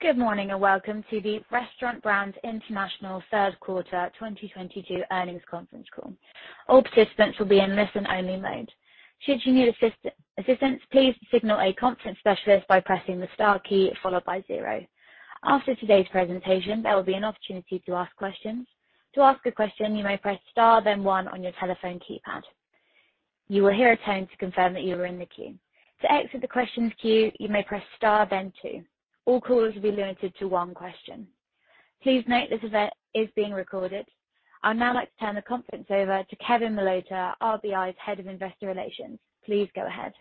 Good morning, and welcome to the Restaurant Brands International third quarter 2022 earnings conference call. All participants will be in listen-only mode. Should you need assistance, please signal a conference specialist by pressing the star key followed by zero. After today's presentation there will be an opportunity to ask questions. To ask a question you may press star then one on your telephone keypad. You will hear a tone to confirm that you are in the queue. To exit the questions queue, you may press star then two. All callers will be limited to one question. Please note this event is being recorded. I'd now like to turn the conference over to Kendall Peck, RBI's Head of Investor Relations. Please go ahead.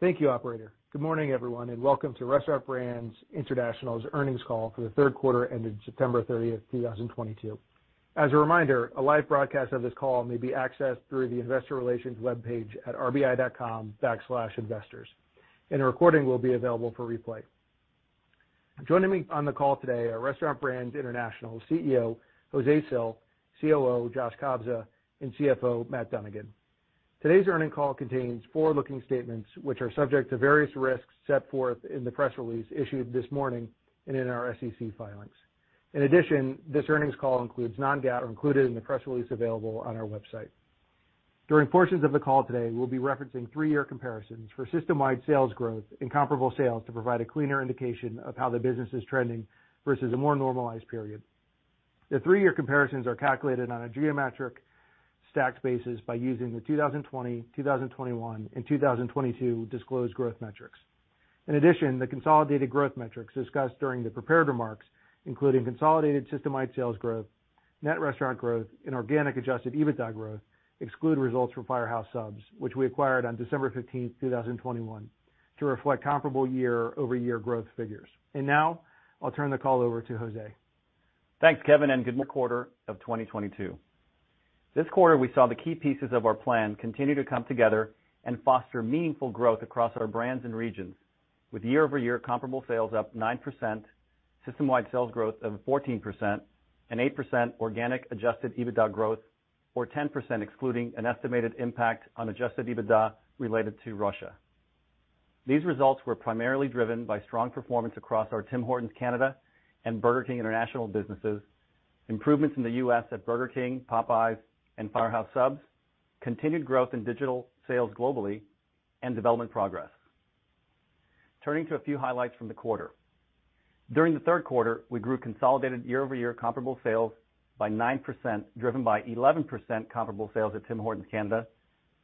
Thank you, operator. Good morning, everyone, and welcome to Restaurant Brands International's earnings call for the third quarter ending September 30th, 2022. As a reminder, a live broadcast of this call may be accessed through the investor relations webpage at rbi.com/investors. A recording will be available for replay. Joining me on the call today are Restaurant Brands International CEO José Cil, COO Josh Kobza, and CFO Matt Dunnigan. Today's earnings call contains forward-looking statements which are subject to various risks set forth in the press release issued this morning and in our SEC filings. In addition, this earnings call includes non-GAAP included in the press release available on our website. During portions of the call today, we'll be referencing three-year comparisons for system-wide sales growth and comparable sales to provide a cleaner indication of how the business is trending versus a more normalized period. The three-year comparisons are calculated on a geometric stacked basis by using the 2020, 2021, and 2022 disclosed growth metrics. In addition, the consolidated growth metrics discussed during the prepared remarks, including consolidated system-wide sales growth, net restaurant growth, and organic adjusted EBITDA growth exclude results from Firehouse Subs, which we acquired on December 15th, 2021 to reflect comparable year-over-year growth figures. Now, I'll turn the call over to José. Thanks, Kevin, and good morning. Welcome to RBI's third quarter of 2022. This quarter, we saw the key pieces of our plan continue to come together and foster meaningful growth across our brands and regions with year-over-year comparable sales up 9%, system-wide sales growth of 14%, and 8% organic adjusted EBITDA growth, or 10% excluding an estimated impact on adjusted EBITDA related to Russia. These results were primarily driven by strong performance across our Tim Hortons Canada and Burger King International businesses, improvements in the U.S. at Burger King, Popeyes, and Firehouse Subs, continued growth in digital sales globally, and development progress. Turning to a few highlights from the quarter. During the third quarter, we grew consolidated year-over-year comparable sales by 9% driven by 11% comparable sales at Tim Hortons Canada,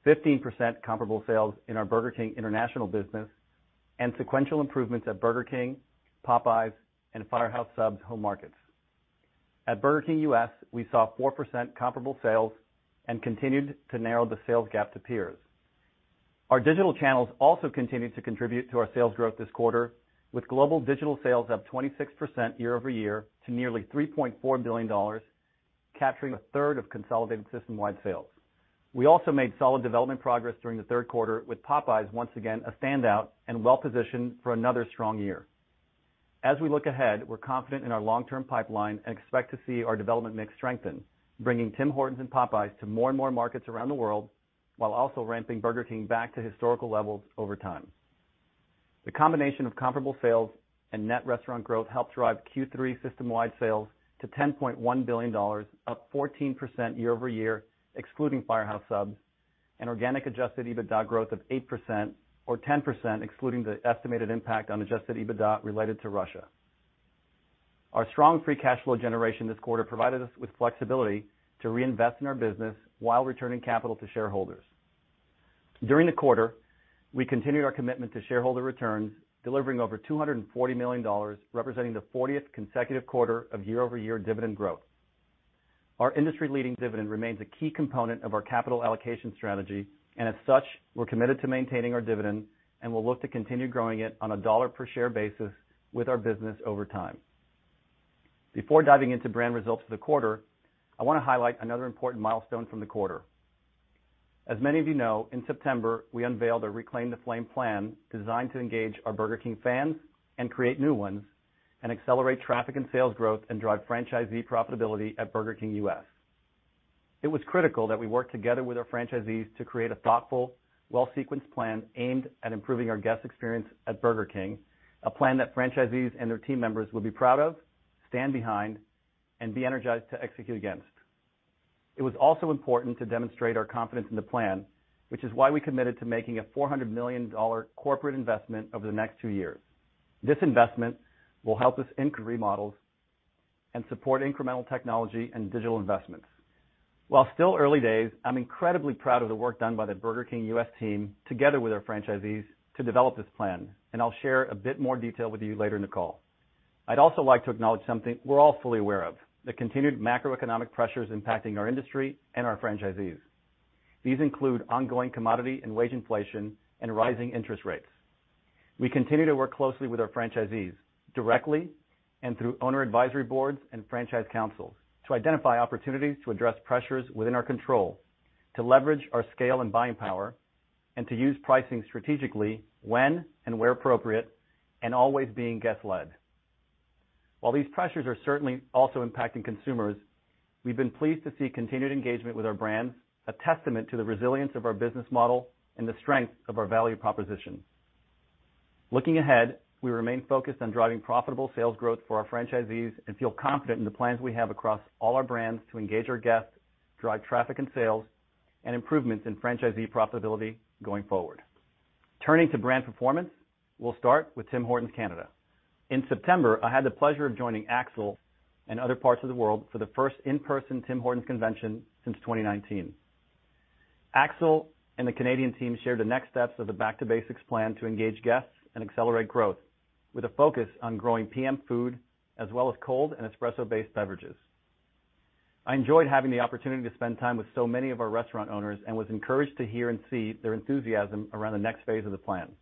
15% comparable sales in our Burger King International business, and sequential improvements at Burger King, Popeyes, and Firehouse Subs home markets. At Burger King U.S., we saw 4% comparable sales and continued to narrow the sales gap to peers. Our digital channels also continued to contribute to our sales growth this quarter with global digital sales up 26% year-over-year to nearly $3.4 billion, capturing 1/3 of consolidated system-wide sales. We also made solid development progress during the third quarter with Popeyes once again a standout and well-positioned for another strong year. As we look ahead, we're confident in our long-term pipeline and expect to see our development mix strengthen, bringing Tim Hortons and Popeyes to more and more markets around the world while also ramping Burger King back to historical levels over time. The combination of comparable sales and net restaurant growth helped drive Q3 system-wide sales to $10.1 billion, up 14% year-over-year, excluding Firehouse Subs, and organic adjusted EBITDA growth of 8% or 10%, excluding the estimated impact on adjusted EBITDA related to Russia. Our strong free cash flow generation this quarter provided us with flexibility to reinvest in our business while returning capital to shareholders. During the quarter, we continued our commitment to shareholder returns, delivering over $240 million, representing the 40th consecutive quarter of year-over-year dividend growth. Our industry-leading dividend remains a key component of our capital allocation strategy, and as such, we're committed to maintaining our dividend and will look to continue growing it on a dollar per share basis with our business over time. Before diving into brand results for the quarter, I wanna highlight another important milestone from the quarter. As many of you know, in September, we unveiled a Reclaim the Flame plan designed to engage our Burger King fans and create new ones and accelerate traffic and sales growth and drive franchisee profitability at Burger King U.S. It was critical that we work together with our franchisees to create a thoughtful, well-sequenced plan aimed at improving our guest experience at Burger King, a plan that franchisees and their team members will be proud of, stand behind, and be energized to execute against. It was also important to demonstrate our confidence in the plan, which is why we committed to making a $400 million corporate investment over the next 2 years. This investment will help us in remodels and support incremental technology and digital investments. While still early days, I'm incredibly proud of the work done by the Burger King U.S. team together with our franchisees to develop this plan, and I'll share a bit more detail with you later in the call. I'd also like to acknowledge something we're all fully aware of, the continued macroeconomic pressures impacting our industry and our franchisees. These include ongoing commodity and wage inflation and rising interest rates. We continue to work closely with our franchisees directly and through owner advisory boards and franchise councils to identify opportunities to address pressures within our control, to leverage our scale and buying power, and to use pricing strategically when and where appropriate and always being guest-led. While these pressures are certainly also impacting consumers, we've been pleased to see continued engagement with our brands, a testament to the resilience of our business model and the strength of our value proposition. Looking ahead, we remain focused on driving profitable sales growth for our franchisees and feel confident in the plans we have across all our brands to engage our guests, drive traffic and sales, and improvements in franchisee profitability going forward. Turning to brand performance, we'll start with Tim Hortons Canada. In September, I had the pleasure of joining Axel and other parts of the world for the first in-person Tim Hortons convention since 2019. Axel and the Canadian team shared the next steps of the Back to Basics plan to engage guests and accelerate growth with a focus on growing PM food as well as cold and espresso-based beverages. I enjoyed having the opportunity to spend time with so many of our restaurant owners and was encouraged to hear and see their enthusiasm around the next phase of the plan.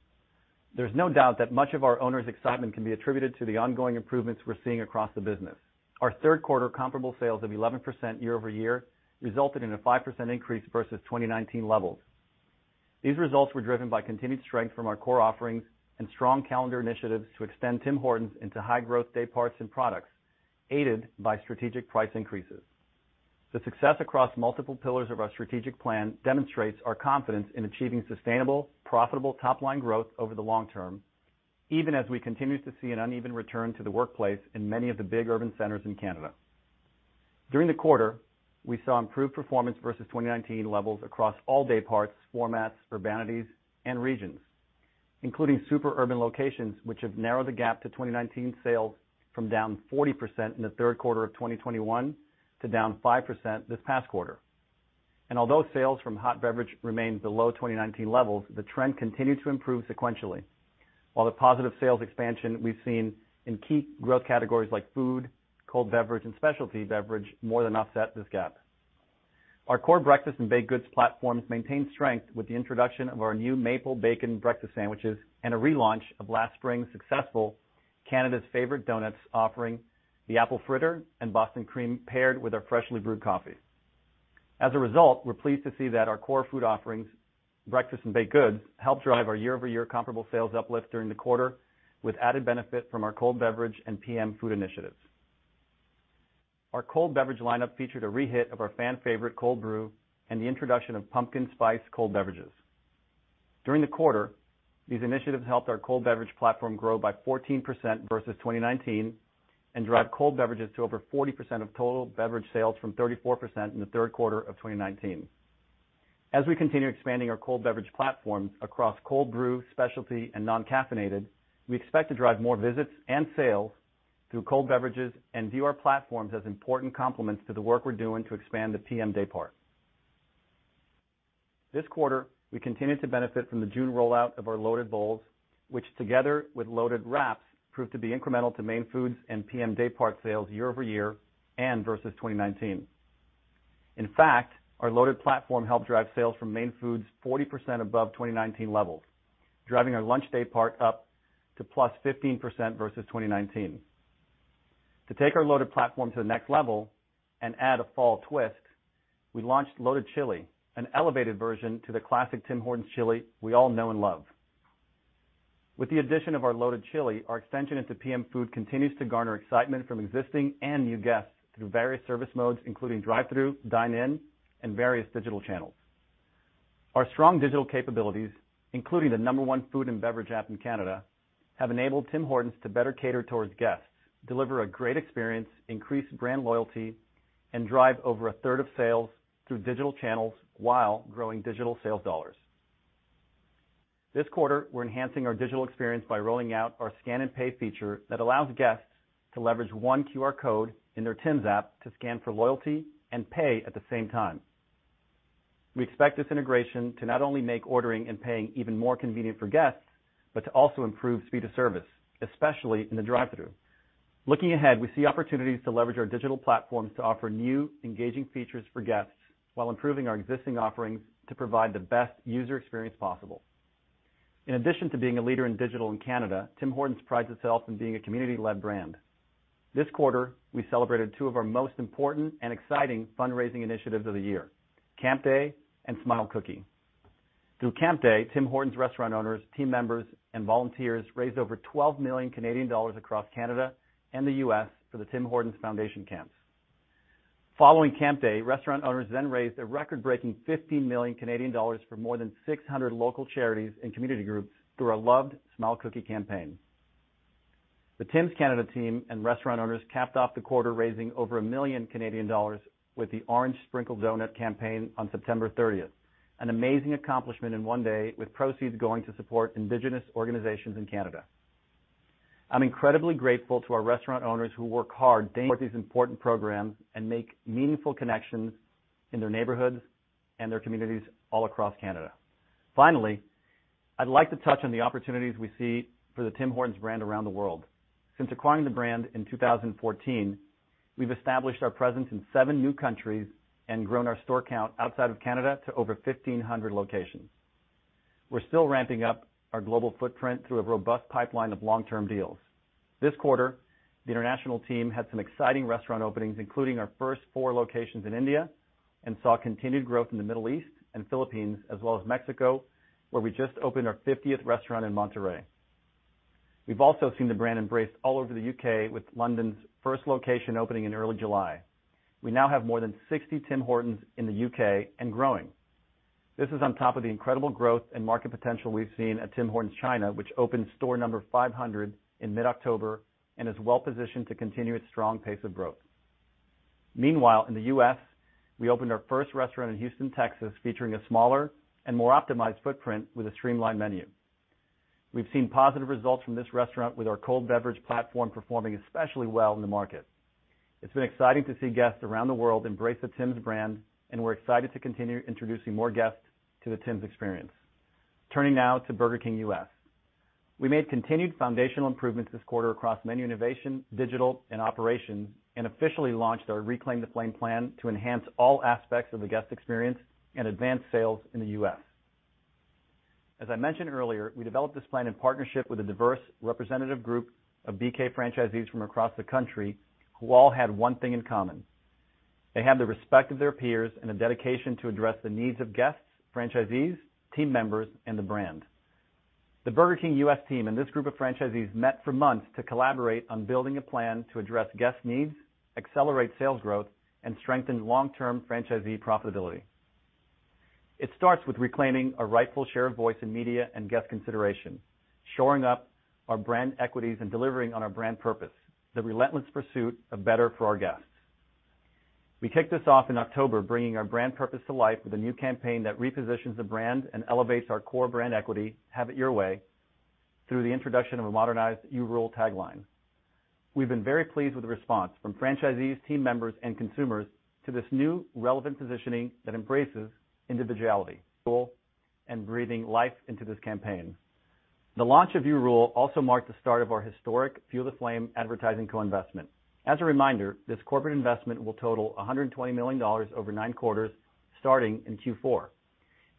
There's no doubt that much of our owners' excitement can be attributed to the ongoing improvements we're seeing across the business. Our third quarter comparable sales of 11% year-over-year resulted in a 5% increase versus 2019 levels. These results were driven by continued strength from our core offerings and strong calendar initiatives to extend Tim Hortons into high growth day parts and products, aided by strategic price increases. The success across multiple pillars of our strategic plan demonstrates our confidence in achieving sustainable, profitable top-line growth over the long term, even as we continue to see an uneven return to the workplace in many of the big urban centers in Canada. During the quarter, we saw improved performance versus 2019 levels across all day parts, formats, urbanities, and regions, including super urban locations, which have narrowed the gap to 2019 sales from down 40% in the third quarter of 2021 to down 5% this past quarter. Although sales from hot beverage remains below 2019 levels, the trend continued to improve sequentially. While the positive sales expansion we've seen in key growth categories like food, cold beverage, and specialty beverage more than offset this gap. Our core breakfast and baked goods platforms maintain strength with the introduction of our new maple bacon breakfast sandwiches and a relaunch of last spring's successful Canada's Favourite Donuts offering, the Apple Fritter and Boston Cream paired with our freshly brewed coffee. As a result, we're pleased to see that our core food offerings, breakfast and baked goods, help drive our year-over-year comparable sales uplift during the quarter with added benefit from our cold beverage and PM food initiatives. Our cold beverage lineup featured a re-hit of our fan favorite cold brew and the introduction of pumpkin spice cold beverages. During the quarter, these initiatives helped our cold beverage platform grow by 14% versus 2019 and drive cold beverages to over 40% of total beverage sales from 34% in the third quarter of 2019. As we continue expanding our cold beverage platform across cold brew, specialty, and non-caffeinated, we expect to drive more visits and sales through cold beverages and view our platforms as important complements to the work we're doing to expand the PM day part. This quarter, we continued to benefit from the June rollout of our loaded bowls, which together with loaded wraps, proved to be incremental to main foods and PM day part sales year-over-year and versus 2019. In fact, our loaded platform helped drive sales from main foods 40% above 2019 levels, driving our lunch day part up to +15% versus 2019. To take our loaded platform to the next level and add a fall twist, we launched Loaded Chili, an elevated version to the classic Tim Hortons chili we all know and love. With the addition of our Loaded Chili, our extension into PM food continues to garner excitement from existing and new guests through various service modes, including drive-through, dine in, and various digital channels. Our strong digital capabilities, including the number one food and beverage app in Canada, have enabled Tim Hortons to better cater towards guests, deliver a great experience, increase brand loyalty, and drive over a third of sales through digital channels while growing digital sales dollars. This quarter, we're enhancing our digital experience by rolling out our scan and pay feature that allows guests to leverage one QR code in their Tims app to scan for loyalty and pay at the same time. We expect this integration to not only make ordering and paying even more convenient for guests, but to also improve speed of service, especially in the drive-through. Looking ahead, we see opportunities to leverage our digital platforms to offer new, engaging features for guests while improving our existing offerings to provide the best user experience possible. In addition to being a leader in digital in Canada, Tim Hortons prides itself in being a community-led brand. This quarter, we celebrated two of our most important and exciting fundraising initiatives of the year, Camp Day and Smile Cookie. Through Camp Day, Tim Hortons restaurant owners, team members, and volunteers raised over 12 million Canadian dollars across Canada and the U.S. for the Tim Hortons Foundation Camps. Following Camp Day, restaurant owners then raised a record-breaking 15 million Canadian dollars for more than 600 local charities and community groups through our loved Smile Cookie campaign. The Tims Canada team and restaurant owners capped off the quarter, raising over 1 million Canadian dollars with the Orange Sprinkle Donut campaign on September 30th, an amazing accomplishment in one day with proceeds going to support Indigenous organizations in Canada. I'm incredibly grateful to our restaurant owners who work hard every day for these important programs and make meaningful connections in their neighborhoods and their communities all across Canada. Finally, I'd like to touch on the opportunities we see for the Tim Hortons brand around the world. Since acquiring the brand in 2014, we've established our presence in seven new countries and grown our store count outside of Canada to over 1,500 locations. We're still ramping up our global footprint through a robust pipeline of long-term deals. This quarter, the international team had some exciting restaurant openings, including our first four locations in India. Saw continued growth in the Middle East and Philippines as well as Mexico, where we just opened our 50th restaurant in Monterrey. We've also seen the brand embraced all over the U.K., with London's first location opening in early July. We now have more than 60 Tim Hortons in the U.K. and growing. This is on top of the incredible growth and market potential we've seen at Tim Hortons China, which opened store number 500 in mid-October and is well-positioned to continue its strong pace of growth. Meanwhile, in the U.S., we opened our first restaurant in Houston, Texas, featuring a smaller and more optimized footprint with a streamlined menu. We've seen positive results from this restaurant, with our cold beverage platform performing especially well in the market. It's been exciting to see guests around the world embrace the Tim's brand, and we're excited to continue introducing more guests to the Tim's experience. Turning now to Burger King U.S. We made continued foundational improvements this quarter across menu innovation, digital and operations, and officially launched our Reclaim the Flame plan to enhance all aspects of the guest experience and advance sales in the U.S. As I mentioned earlier, we developed this plan in partnership with a diverse representative group of BK franchisees from across the country who all had one thing in common. They have the respect of their peers and a dedication to address the needs of guests, franchisees, team members, and the brand. The Burger King U.S. team and this group of franchisees met for months to collaborate on building a plan to address guest needs, accelerate sales growth, and strengthen long-term franchisee profitability. It starts with reclaiming a rightful share of voice in media and guest consideration, shoring up our brand equities, and delivering on our brand purpose, the relentless pursuit of better for our guests. We kicked this off in October, bringing our brand purpose to life with a new campaign that repositions the brand and elevates our core brand equity, Have It Your Way, through the introduction of a modernized You Rule tagline. We've been very pleased with the response from franchisees, team members, and consumers to this new relevant positioning that embraces individuality, rule, and breathing life into this campaign. The launch of You Rule also marked the start of our historic Fuel the Flame advertising co-investment. As a reminder, this corporate investment will total $120 million over nine quarters starting in Q4,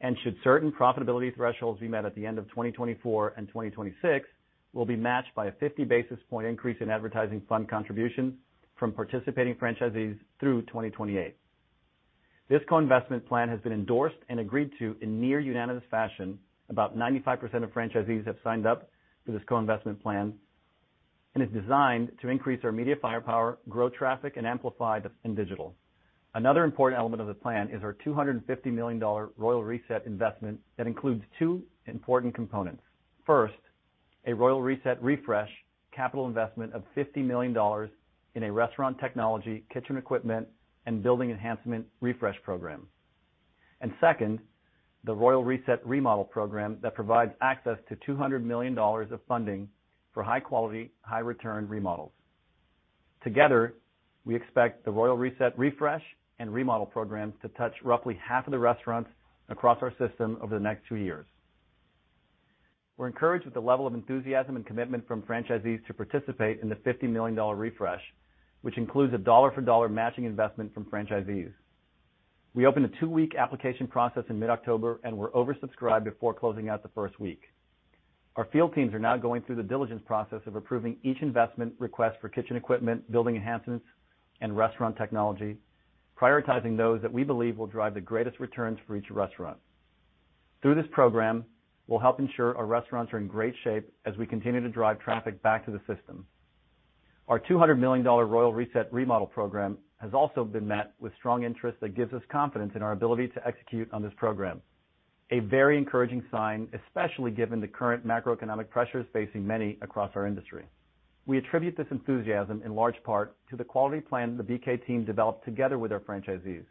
and should certain profitability thresholds be met at the end of 2024 and 2026, will be matched by a 50 basis point increase in advertising fund contributions from participating franchisees through 2028. This co-investment plan has been endorsed and agreed to in near unanimous fashion. About 95% of franchisees have signed up for this co-investment plan and is designed to increase our media firepower, grow traffic, and amplify in digital. Another important element of the plan is our $250 million Royal Reset investment that includes two important components. First, a Royal Reset Refresh capital investment of $50 million in a restaurant technology, kitchen equipment, and building enhancement refresh program. Second, the Royal Reset remodel program that provides access to $200 million of funding for high-quality, high-return remodels. Together, we expect the Royal Reset Refresh and remodel programs to touch roughly half of the restaurants across our system over the next two years. We're encouraged with the level of enthusiasm and commitment from franchisees to participate in the $50 million refresh, which includes a dollar for dollar matching investment from franchisees. We opened a two-week application process in mid-October and were oversubscribed before closing out the first week. Our field teams are now going through the diligence process of approving each investment request for kitchen equipment, building enhancements, and restaurant technology, prioritizing those that we believe will drive the greatest returns for each restaurant. Through this program, we'll help ensure our restaurants are in great shape as we continue to drive traffic back to the system. Our $200 million Royal Reset remodel program has also been met with strong interest that gives us confidence in our ability to execute on this program. A very encouraging sign, especially given the current macroeconomic pressures facing many across our industry. We attribute this enthusiasm in large part to the quality plan the BK team developed together with our franchisees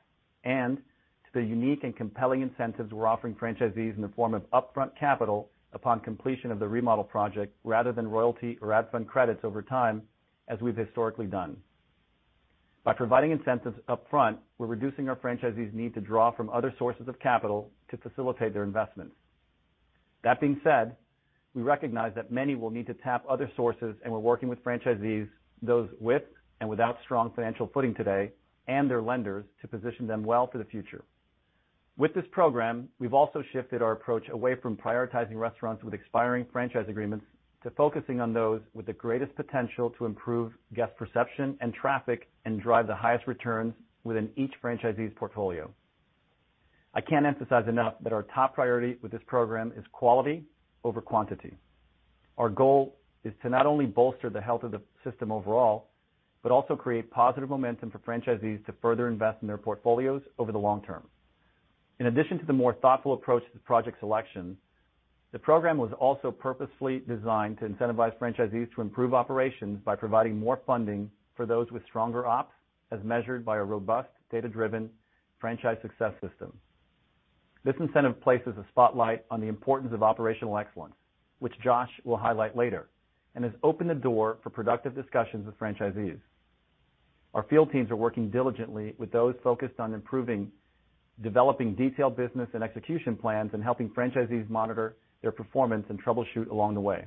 and to the unique and compelling incentives we're offering franchisees in the form of upfront capital upon completion of the remodel project rather than royalty or ad spend credits over time, as we've historically done. By providing incentives upfront, we're reducing our franchisees' need to draw from other sources of capital to facilitate their investments. That being said, we recognize that many will need to tap other sources, and we're working with franchisees, those with and without strong financial footing today, and their lenders to position them well for the future. With this program, we've also shifted our approach away from prioritizing restaurants with expiring franchise agreements to focusing on those with the greatest potential to improve guest perception and traffic and drive the highest returns within each franchisee's portfolio. I can't emphasize enough that our top priority with this program is quality over quantity. Our goal is to not only bolster the health of the system overall, but also create positive momentum for franchisees to further invest in their portfolios over the long term. In addition to the more thoughtful approach to project selection, the program was also purposefully designed to incentivize franchisees to improve operations by providing more funding for those with stronger ops as measured by a robust data-driven Franchise Success System. This incentive places a spotlight on the importance of operational excellence, which Josh will highlight later, and has opened the door for productive discussions with franchisees. Our field teams are working diligently with those focused on improving, developing detailed business and execution plans, and helping franchisees monitor their performance and troubleshoot along the way.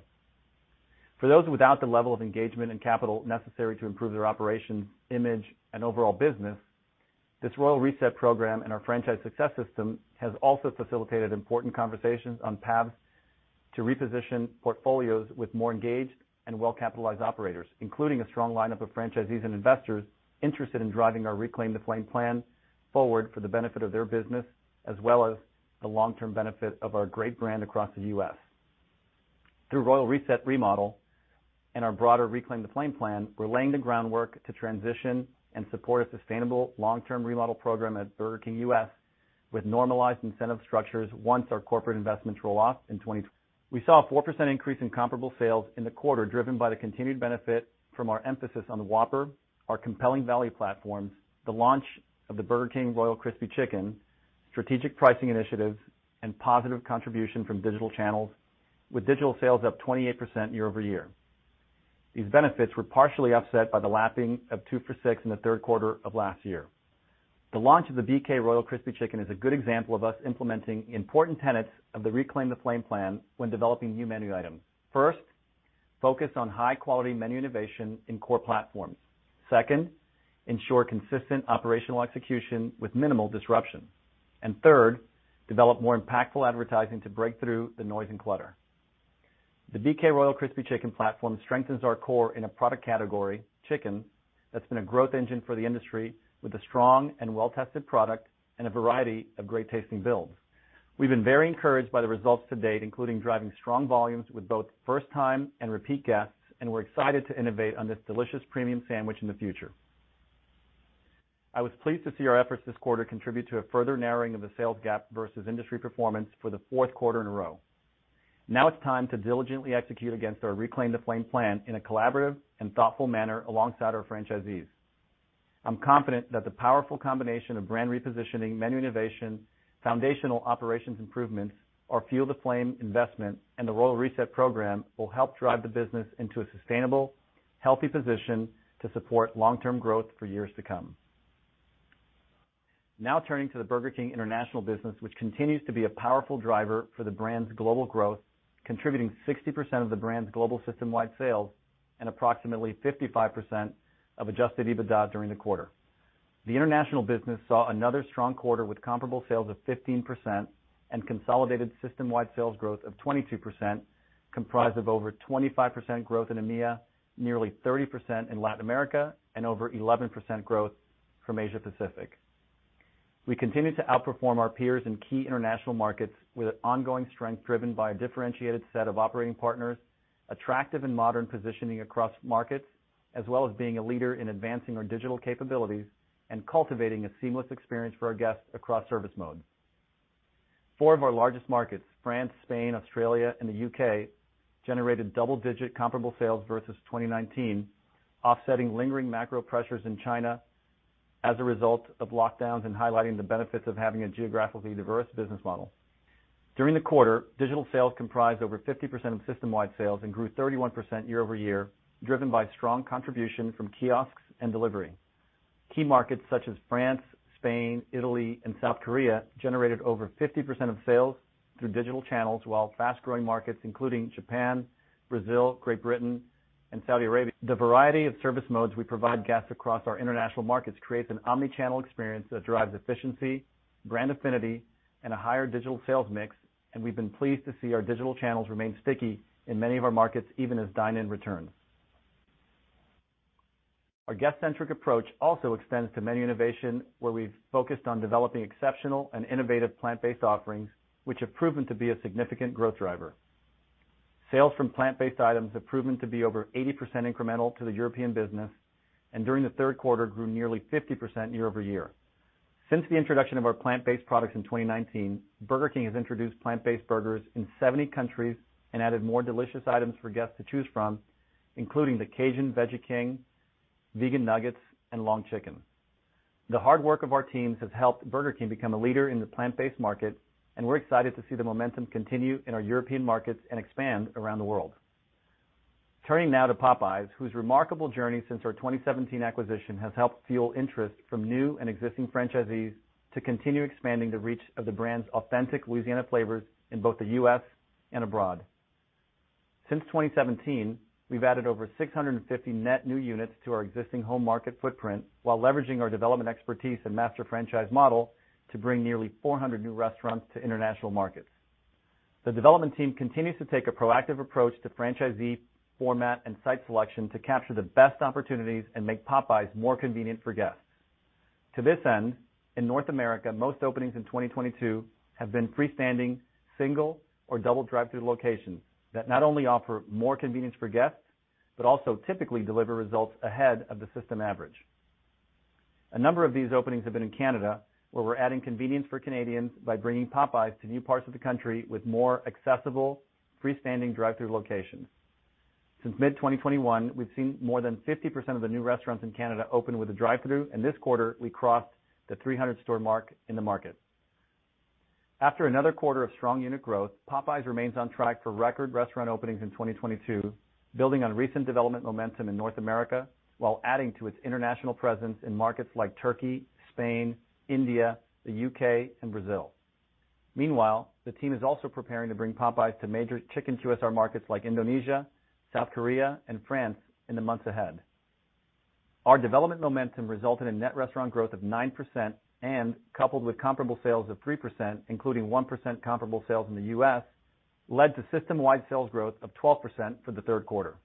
For those without the level of engagement and capital necessary to improve their operations, image, and overall business, this Royal Reset program and our Franchise Success System has also facilitated important conversations on paths to reposition portfolios with more engaged and well-capitalized operators, including a strong lineup of franchisees and investors interested in driving our Reclaim the Flame plan forward for the benefit of their business as well as the long-term benefit of our great brand across the U.S. Through Royal Reset remodel and our broader Reclaim the Flame plan, we're laying the groundwork to transition and support a sustainable long-term remodel program at Burger King U.S. with normalized incentive structures once our corporate investments roll off in 20-. We saw a 4% increase in comparable sales in the quarter, driven by the continued benefit from our emphasis on the Whopper, our compelling value platforms, the launch of the Burger King Royal Crispy Chicken, strategic pricing initiatives, and positive contribution from digital channels, with digital sales up 28% year-over-year. These benefits were partially offset by the lapping of $2-$6 in the third quarter of last year. The launch of the BK Royal Crispy Chicken is a good example of us implementing important tenets of the Reclaim the Flame plan when developing new menu items. First, focus on high-quality menu innovation in core platforms. Second, ensure consistent operational execution with minimal disruption. Third, develop more impactful advertising to break through the noise and clutter. The BK Royal Crispy Chicken platform strengthens our core in a product category, chicken, that's been a growth engine for the industry with a strong and well-tested product and a variety of great-tasting builds. We've been very encouraged by the results to date, including driving strong volumes with both first-time and repeat guests, and we're excited to innovate on this delicious premium sandwich in the future. I was pleased to see our efforts this quarter contribute to a further narrowing of the sales gap versus industry performance for the fourth quarter in a row. Now it's time to diligently execute against our Reclaim the Flame plan in a collaborative and thoughtful manner alongside our franchisees. I'm confident that the powerful combination of brand repositioning, menu innovation, foundational operations improvements, our Fuel the Flame investment, and the Royal Reset program will help drive the business into a sustainable, healthy position to support long-term growth for years to come. Now turning to the Burger King international business, which continues to be a powerful driver for the brand's global growth, contributing 60% of the brand's global system-wide sales and approximately 55% of adjusted EBITDA during the quarter. The international business saw another strong quarter with comparable sales of 15% and consolidated system-wide sales growth of 22%, comprised of over 25% growth in EMEA, nearly 30% in Latin America, and over 11% growth from Asia Pacific. We continue to outperform our peers in key international markets with ongoing strength driven by a differentiated set of operating partners, attractive and modern positioning across markets, as well as being a leader in advancing our digital capabilities and cultivating a seamless experience for our guests across service modes. Four of our largest markets, France, Spain, Australia, and the U.K., generated double-digit comparable sales versus 2019, offsetting lingering macro pressures in China as a result of lockdowns and highlighting the benefits of having a geographically diverse business model. During the quarter, digital sales comprised over 50% of system-wide sales and grew 31% year-over-year, driven by strong contribution from kiosks and delivery. Key markets such as France, Spain, Italy, and South Korea generated over 50% of sales through digital channels, while fast-growing markets including Japan, Brazil, Great Britain, and Saudi Arabia. The variety of service modes we provide guests across our international markets creates an omni-channel experience that drives efficiency, brand affinity, and a higher digital sales mix, and we've been pleased to see our digital channels remain sticky in many of our markets, even as dine-in returns. Our guest centric approach also extends to menu innovation, where we've focused on developing exceptional and innovative plant-based offerings, which have proven to be a significant growth driver. Sales from plant-based items have proven to be over 80% incremental to the European business, and during the third quarter grew nearly 50% year-over-year. Since the introduction of our plant-based products in 2019, Burger King has introduced plant-based burgers in 70 countries and added more delicious items for guests to choose from, including the Cajun Veggie King, Vegan Nuggets, and Long Chicken. The hard work of our teams has helped Burger King become a leader in the plant-based market, and we're excited to see the momentum continue in our European markets and expand around the world. Turning now to Popeyes, whose remarkable journey since our 2017 acquisition has helped fuel interest from new and existing franchisees to continue expanding the reach of the brand's authentic Louisiana flavors in both the U.S. and abroad. Since 2017, we've added over 650 net new units to our existing home market footprint while leveraging our development expertise and master franchise model to bring nearly 400 new restaurants to international markets. The development team continues to take a proactive approach to franchisee format and site selection to capture the best opportunities and make Popeyes more convenient for guests. To this end, in North America, most openings in 2022 have been freestanding, single or double drive-through locations that not only offer more convenience for guests but also typically deliver results ahead of the system average. A number of these openings have been in Canada, where we're adding convenience for Canadians by bringing Popeyes to new parts of the country with more accessible freestanding drive-through locations. Since mid-2021, we've seen more than 50% of the new restaurants in Canada open with a drive-through, and this quarter we crossed the 300 store mark in the market. After another quarter of strong unit growth, Popeyes remains on track for record restaurant openings in 2022, building on recent development momentum in North America while adding to its international presence in markets like Turkey, Spain, India, the U.K., and Brazil. Meanwhile, the team is also preparing to bring Popeyes to major chicken QSR markets like Indonesia, South Korea, and France in the months ahead. Our development momentum resulted in net restaurant growth of 9% and coupled with comparable sales of 3%, including 1% comparable sales in the U.S., led to system-wide sales growth of 12% for the third quarter.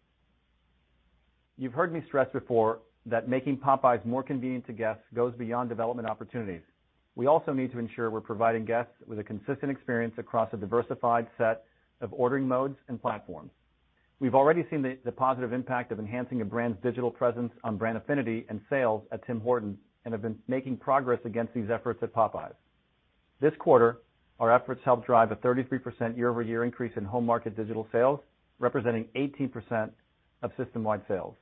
You've heard me stress before that making Popeyes more convenient to guests goes beyond development opportunities. We also need to ensure we're providing guests with a consistent experience across a diversified set of ordering modes and platforms. We've already seen the positive impact of enhancing a brand's digital presence on brand affinity and sales at Tim Hortons, and have been making progress against these efforts at Popeyes. This quarter, our efforts helped drive a 33% year-over-year increase in home market digital sales, representing 18% of system-wide sales.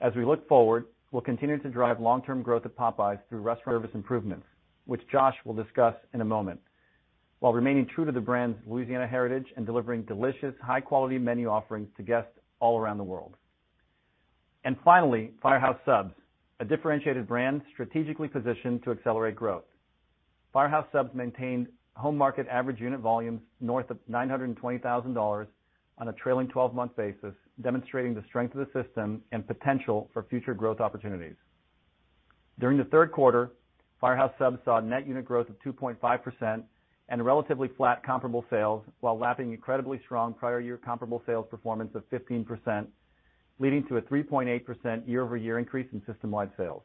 As we look forward, we'll continue to drive long-term growth at Popeyes through restaurant service improvements, which Josh will discuss in a moment, while remaining true to the brand's Louisiana heritage and delivering delicious, high-quality menu offerings to guests all around the world. Finally, Firehouse Subs, a differentiated brand strategically positioned to accelerate growth. Firehouse Subs maintained home market average unit volumes north of $920,000 on a trailing 12-month basis, demonstrating the strength of the system and potential for future growth opportunities. During the third quarter, Firehouse Subs saw a net unit growth of 2.5% and relatively flat comparable sales, while lapping incredibly strong prior year comparable sales performance of 15%, leading to a 3.8% year-over-year increase in system-wide sales.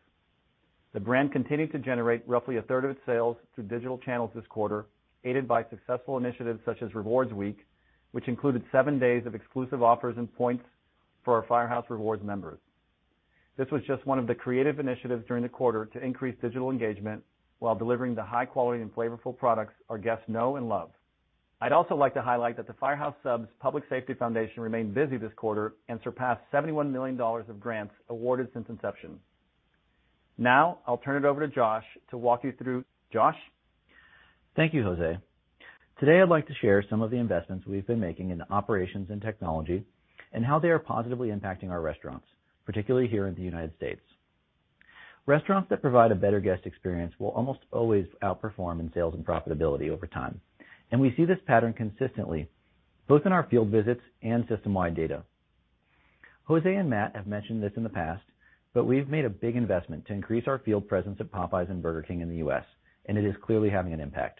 The brand continued to generate roughly a third of its sales through digital channels this quarter, aided by successful initiatives such as Rewards Week, which included seven days of exclusive offers and points for our Firehouse Rewards members. This was just one of the creative initiatives during the quarter to increase digital engagement while delivering the high quality and flavorful products our guests know and love. I'd also like to highlight that the Firehouse Subs Public Safety Foundation remained busy this quarter and surpassed $71 million of grants awarded since inception. Now, I'll turn it over to Josh to walk you through. Josh. Thank you, José. Today, I'd like to share some of the investments we've been making in operations and technology, and how they are positively impacting our restaurants, particularly here in the United States. Restaurants that provide a better guest experience will almost always outperform in sales and profitability over time, and we see this pattern consistently, both in our field visits and system-wide data. José and Matt have mentioned this in the past, but we've made a big investment to increase our field presence at Popeyes and Burger King in the U.S., and it is clearly having an impact.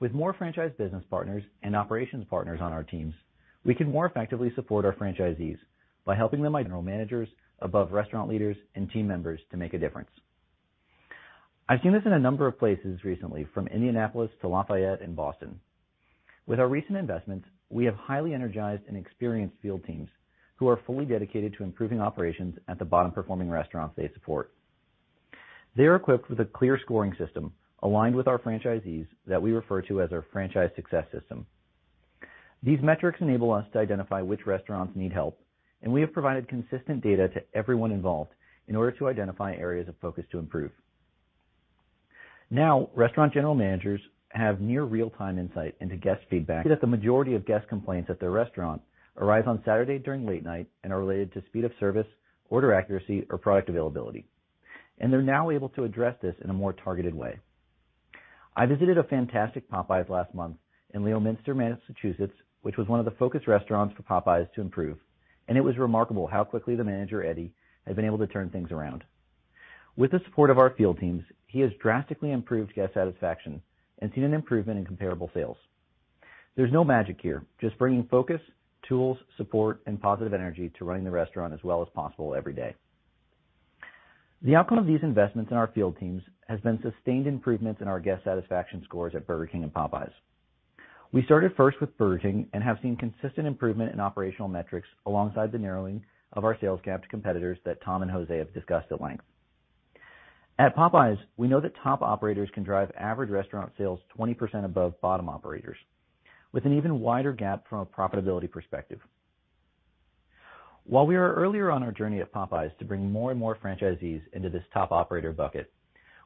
With more franchise business partners and operations partners on our teams, we can more effectively support our franchisees by helping them with general managers above restaurant leaders and team members to make a difference. I've seen this in a number of places recently, from Indianapolis to Lafayette and Boston. With our recent investments, we have highly energized and experienced field teams who are fully dedicated to improving operations at the bottom-performing restaurants they support. They are equipped with a clear scoring system aligned with our franchisees that we refer to as our Franchise Success System. These metrics enable us to identify which restaurants need help, and we have provided consistent data to everyone involved in order to identify areas of focus to improve. Now restaurant general managers have near real-time insight into guest feedback. They see that the majority of guest complaints at their restaurant arrive on Saturday during late night and are related to speed of service, order accuracy, or product availability. They're now able to address this in a more targeted way. I visited a fantastic Popeyes last month in Leominster, Massachusetts, which was one of the focus restaurants for Popeyes to improve, and it was remarkable how quickly the manager, Eddie, had been able to turn things around. With the support of our field teams, he has drastically improved guest satisfaction and seen an improvement in comparable sales. There's no magic here, just bringing focus, tools, support, and positive energy to running the restaurant as well as possible every day. The outcome of these investments in our field teams has been sustained improvements in our guest satisfaction scores at Burger King and Popeyes. We started first with Burger King and have seen consistent improvement in operational metrics alongside the narrowing of our sales gap to competitors that Tom and José have discussed at length. At Popeyes, we know that top operators can drive average restaurant sales 20% above bottom operators, with an even wider gap from a profitability perspective. While we are earlier on our journey at Popeyes to bring more and more franchisees into this top operator bucket,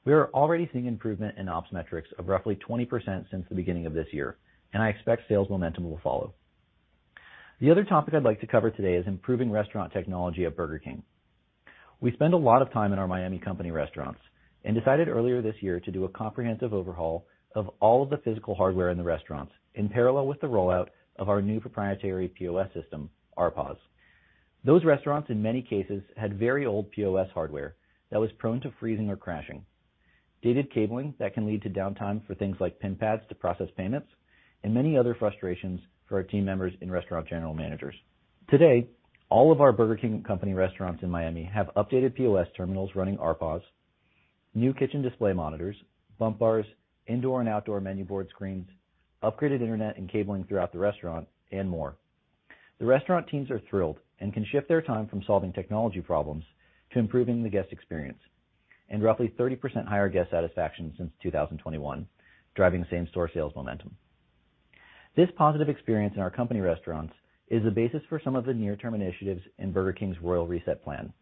we are already seeing improvement in ops metrics of roughly 20% since the beginning of this year, and I expect sales momentum will follow. The other topic I'd like to cover today is improving restaurant technology at Burger King. We spend a lot of time in our Miami company restaurants and decided earlier this year to do a comprehensive overhaul of all of the physical hardware in the restaurants in parallel with the rollout of our new proprietary POS system, RPOS. Those restaurants, in many cases, had very old POS hardware that was prone to freezing or crashing, dated cabling that can lead to downtime for things like pin pads to process payments, and many other frustrations for our team members and restaurant general managers. Today, all of our Burger King company restaurants in Miami have updated POS terminals running RPOS, new kitchen display monitors, bump bars, indoor and outdoor menu board screens, upgraded internet and cabling throughout the restaurant, and more. The restaurant teams are thrilled and can shift their time from solving technology problems to improving the guest experience. Roughly 30% higher guest satisfaction since 2021, driving the same store sales momentum. This positive experience in our company restaurants is the basis for some of the near term initiatives in Burger King's Royal Reset plan,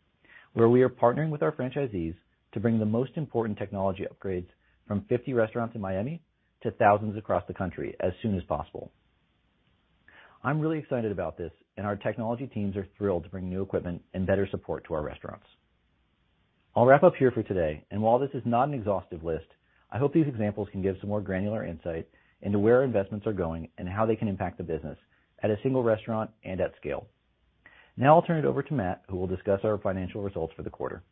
where we are partnering with our franchisees to bring the most important technology upgrades from 50 restaurants in Miami to thousands across the country as soon as possible. I'm really excited about this, and our technology teams are thrilled to bring new equipment and better support to our restaurants. I'll wrap up here for today. While this is not an exhaustive list, I hope these examples can give some more granular insight into where investments are going and how they can impact the business at a single restaurant and at scale. Now I'll turn it over to Matt, who will discuss our financial results for the quarter.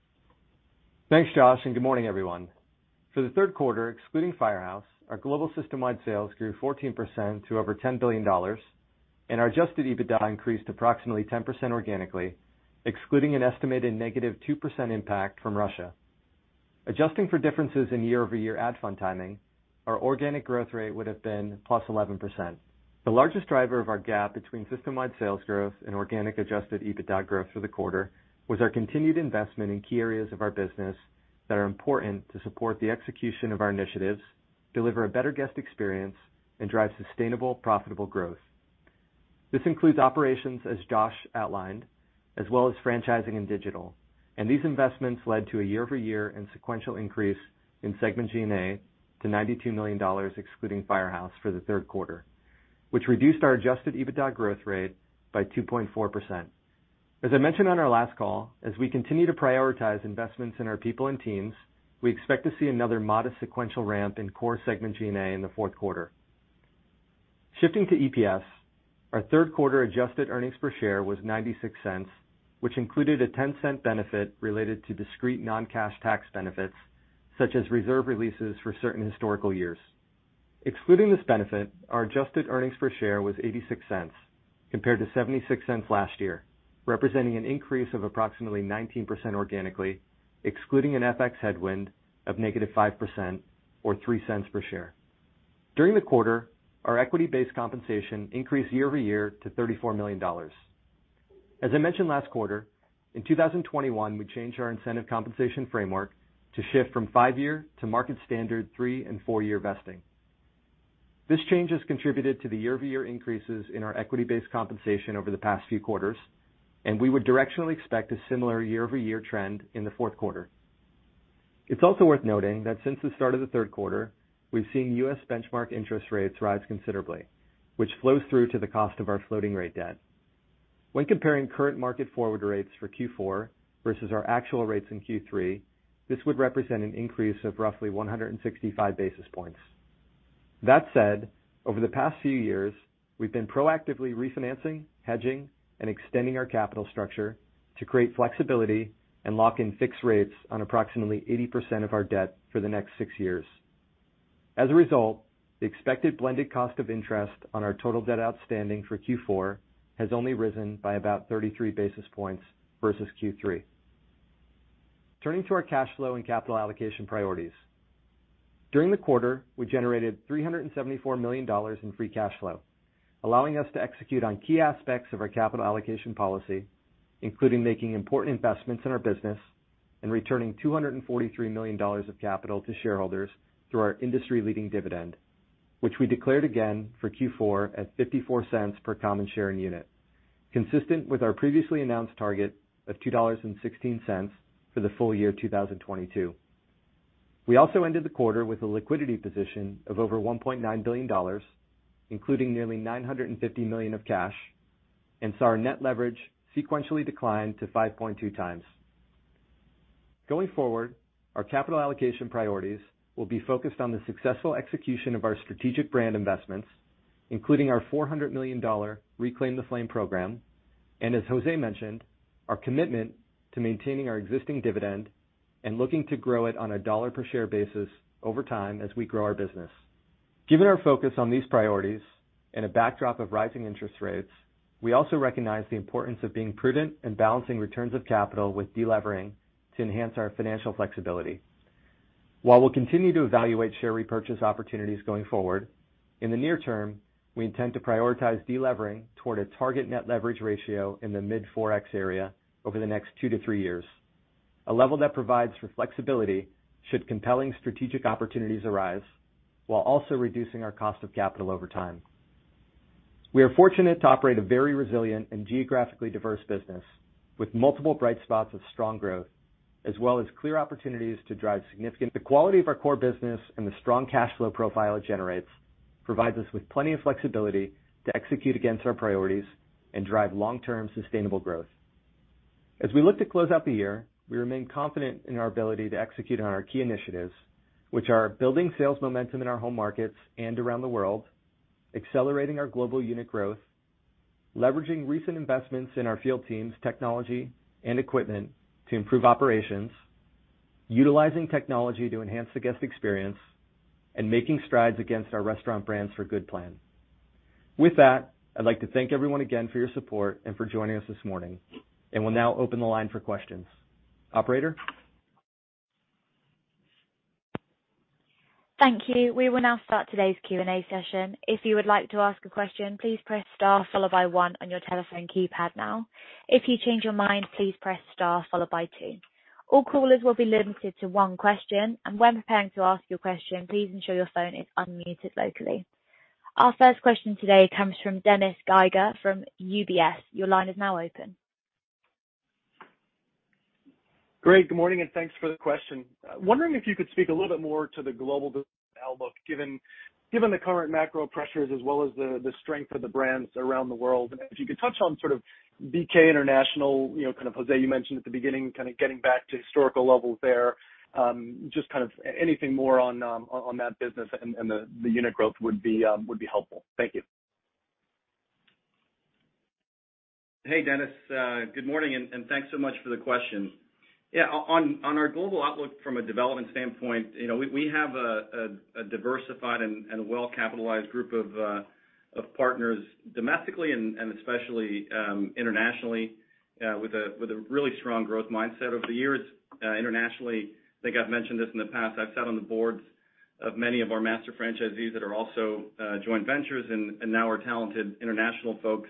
Thanks, Josh, and good morning, everyone. For the third quarter, excluding Firehouse, our global system-wide sales grew 14% to over $10 billion, and our adjusted EBITDA increased approximately 10% organically, excluding an estimated -2% impact from Russia. Adjusting for differences in year-over-year ad fund timing, our organic growth rate would have been +11%. The largest driver of our gap between system-wide sales growth and organic adjusted EBITDA growth for the quarter was our continued investment in key areas of our business that are important to support the execution of our initiatives, deliver a better guest experience, and drive sustainable, profitable growth. This includes operations as Josh outlined, as well as franchising and digital, and these investments led to a year-over-year and sequential increase in segment G&A to $92 million, excluding Firehouse for the third quarter, which reduced our adjusted EBITDA growth rate by 2.4%. As I mentioned on our last call, as we continue to prioritize investments in our people and teams, we expect to see another modest sequential ramp in core segment G&A in the fourth quarter. Shifting to EPS, our third quarter adjusted earnings per share was $0.96, which included a $0.10 benefit related to discrete non-cash tax benefits, such as reserve releases for certain historical years. Excluding this benefit, our adjusted earnings per share was $0.86 compared to $0.76 last year, representing an increase of approximately 19% organically, excluding an FX headwind of -5% or $0.03 per share. During the quarter, our equity-based compensation increased year-over-year to $34 million. As I mentioned last quarter, in 2021, we changed our incentive compensation framework to shift from five-year to market standard three- and four-year vesting. This change has contributed to the year-over-year increases in our equity-based compensation over the past few quarters, and we would directionally expect a similar year-over-year trend in the fourth quarter. It's also worth noting that since the start of the third quarter, we've seen U.S. benchmark interest rates rise considerably, which flows through to the cost of our floating rate debt. When comparing current market forward rates for Q4 versus our actual rates in Q3, this would represent an increase of roughly 165 basis points. That said, over the past few years, we've been proactively refinancing, hedging, and extending our capital structure to create flexibility and lock in fixed rates on approximately 80% of our debt for the next six years. As a result, the expected blended cost of interest on our total debt outstanding for Q4 has only risen by about 33 basis points versus Q3. Turning to our cash flow and capital allocation priorities. During the quarter, we generated $374 million in free cash flow, allowing us to execute on key aspects of our capital allocation policy, including making important investments in our business and returning $243 million of capital to shareholders through our industry-leading dividend, which we declared again for Q4 at $0.54 per common share and unit, consistent with our previously announced target of $2.16 for the full year 2022. We also ended the quarter with a liquidity position of over $1.9 billion, including nearly $950 million of cash, and saw our net leverage sequentially decline to 5.2x. Going forward, our capital allocation priorities will be focused on the successful execution of our strategic brand investments, including our $400 million Reclaim the Flame program, and as José mentioned, our commitment to maintaining our existing dividend and looking to grow it on a $1 per share basis over time as we grow our business. Given our focus on these priorities and a backdrop of rising interest rates, we also recognize the importance of being prudent and balancing returns of capital with delevering to enhance our financial flexibility. While we'll continue to evaluate share repurchase opportunities going forward, in the near term, we intend to prioritize delevering toward a target net leverage ratio in the mid-4x area over the next two to three years, a level that provides for flexibility should compelling strategic opportunities arise, while also reducing our cost of capital over time. We are fortunate to operate a very resilient and geographically diverse business with multiple bright spots of strong growth, as well as clear opportunities. The quality of our core business and the strong cash flow profile it generates provides us with plenty of flexibility to execute against our priorities and drive long-term sustainable growth. As we look to close out the year, we remain confident in our ability to execute on our key initiatives, which are building sales momentum in our home markets and around the world, accelerating our global unit growth, leveraging recent investments in our field teams' technology and equipment to improve operations, utilizing technology to enhance the guest experience, and making strides against our Restaurant Brands for Good plan. With that, I'd like to thank everyone again for your support and for joining us this morning. We'll now open the line for questions. Operator? Thank you. We will now start today's Q&A session. If you would like to ask a question, please press star followed by one on your telephone keypad now. If you change your mind, please press star followed by two. All callers will be limited to one question. When preparing to ask your question, please ensure your phone is unmuted locally. Our first question today comes from Dennis Geiger from UBS. Your line is now open. Great, good morning, and thanks for the question. Wondering if you could speak a little bit more to the global outlook given the current macro pressures as well as the strength of the brands around the world. If you could touch on sort of BK International, you know, kind of José, you mentioned at the beginning, kinda getting back to historical levels there. Just kind of anything more on that business and the unit growth would be helpful. Thank you. Hey, Dennis, good morning, and thanks so much for the question. Yeah. On our global outlook from a development standpoint, you know, we have a diversified and a well-capitalized group of partners domestically and especially internationally, with a really strong growth mindset over the years. Internationally, I think I've mentioned this in the past, I've sat on the boards of many of our master franchisees that are also joint ventures, and now our talented international folks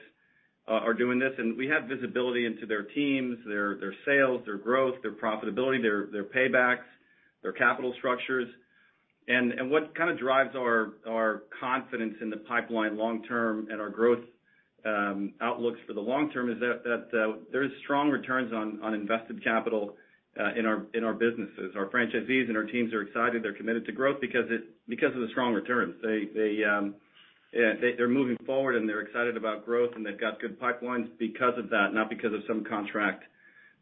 are doing this. We have visibility into their teams, their sales, their growth, their profitability, their paybacks, their capital structures. What kinda drives our confidence in the pipeline long term and our growth outlooks for the long term is that there is strong returns on invested capital in our businesses. Our franchisees and our teams are excited. They're committed to growth because of the strong returns. They yeah, they're moving forward, and they're excited about growth, and they've got good pipelines because of that, not because of some contract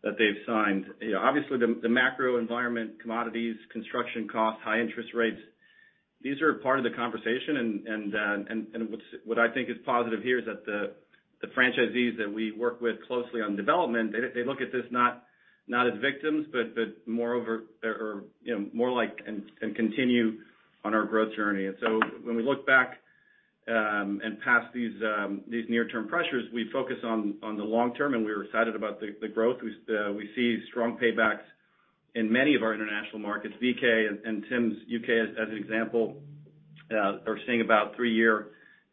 that they've signed. You know, obviously, the macro environment, commodities, construction costs, high interest rates, these are part of the conversation. What I think is positive here is that the franchisees that we work with closely on development, they look at this not as victims, but more over or you know more like and continue on our growth journey. When we look back and past these near-term pressures, we focus on the long term, and we're excited about the growth. We see strong paybacks in many of our international markets. BK and Tim's U.K., as an example, are seeing about three-year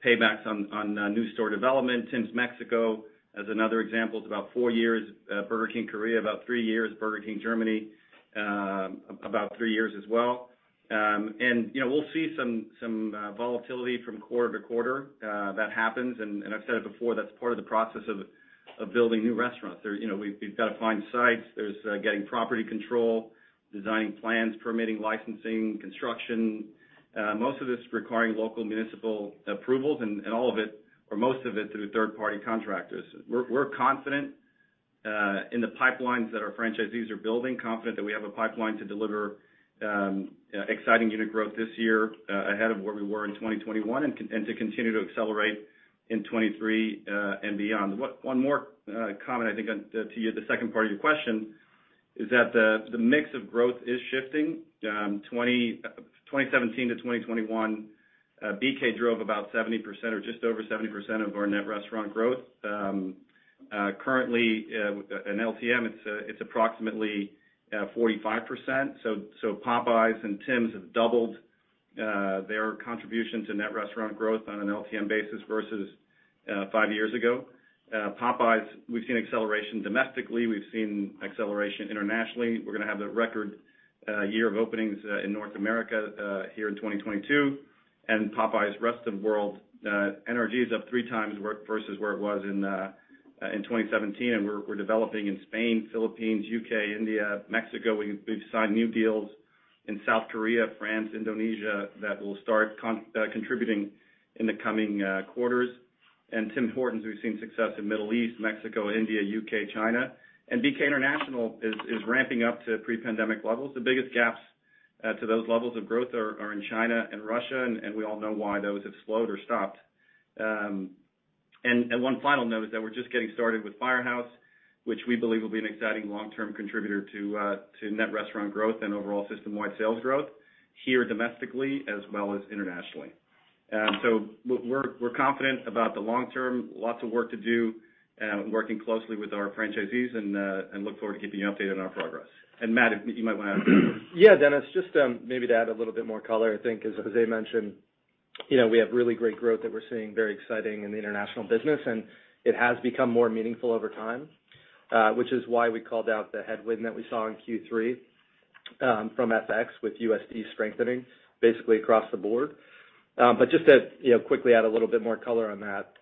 paybacks on new store development. Tim's Mexico, as another example, is about four years. Burger King Korea, about three years. Burger King Germany, about three years as well. You know, we'll see some volatility from quarter to quarter. That happens, and I've said it before, that's part of the process of building new restaurants. You know, we've gotta find sites. There's getting property control, designing plans, permitting, licensing, construction. Most of this requiring local municipal approvals and all of it or most of it through third-party contractors. We're confident in the pipelines that our franchisees are building, confident that we have a pipeline to deliver exciting unit growth this year, ahead of where we were in 2021 and to continue to accelerate in 2023 and beyond. One more comment I think on to you, the second part of your question is that the mix of growth is shifting. From 2017-2021, BK drove about 70% or just over 70% of our net restaurant growth. Currently, in LTM, it's approximately 45%. Popeyes and Tim's have doubled their contribution to net restaurant growth on an LTM basis versus five years ago. Popeyes, we've seen acceleration domestically. We've seen acceleration internationally. We're gonna have the record year of openings in North America here in 2022. Popeyes rest of world NRG is up three times what it was in 2017, and we're developing in Spain, Philippines, U.K., India, Mexico. We've signed new deals in South Korea, France, Indonesia, that will start contributing in the coming quarters. Tim Hortons, we've seen success in Middle East, Mexico, India, U.K., China. BK International is ramping up to pre-pandemic levels. The biggest gaps to those levels of growth are in China and Russia, and we all know why those have slowed or stopped. One final note is that we're just getting started with Firehouse, which we believe will be an exciting long-term contributor to net restaurant growth and overall system-wide sales growth here domestically as well as internationally. We're confident about the long term. Lots of work to do, working closely with our franchisees and look forward to keeping you updated on our progress. Matt, you might wanna add. Yeah, Dennis, just, maybe to add a little bit more color. I think as José mentioned, you know, we have really great growth that we're seeing, very exciting in the international business, and it has become more meaningful over time, which is why we called out the headwind that we saw in Q3, from FX with USD strengthening basically across the board. But just to, you know, quickly add a little bit more color on that.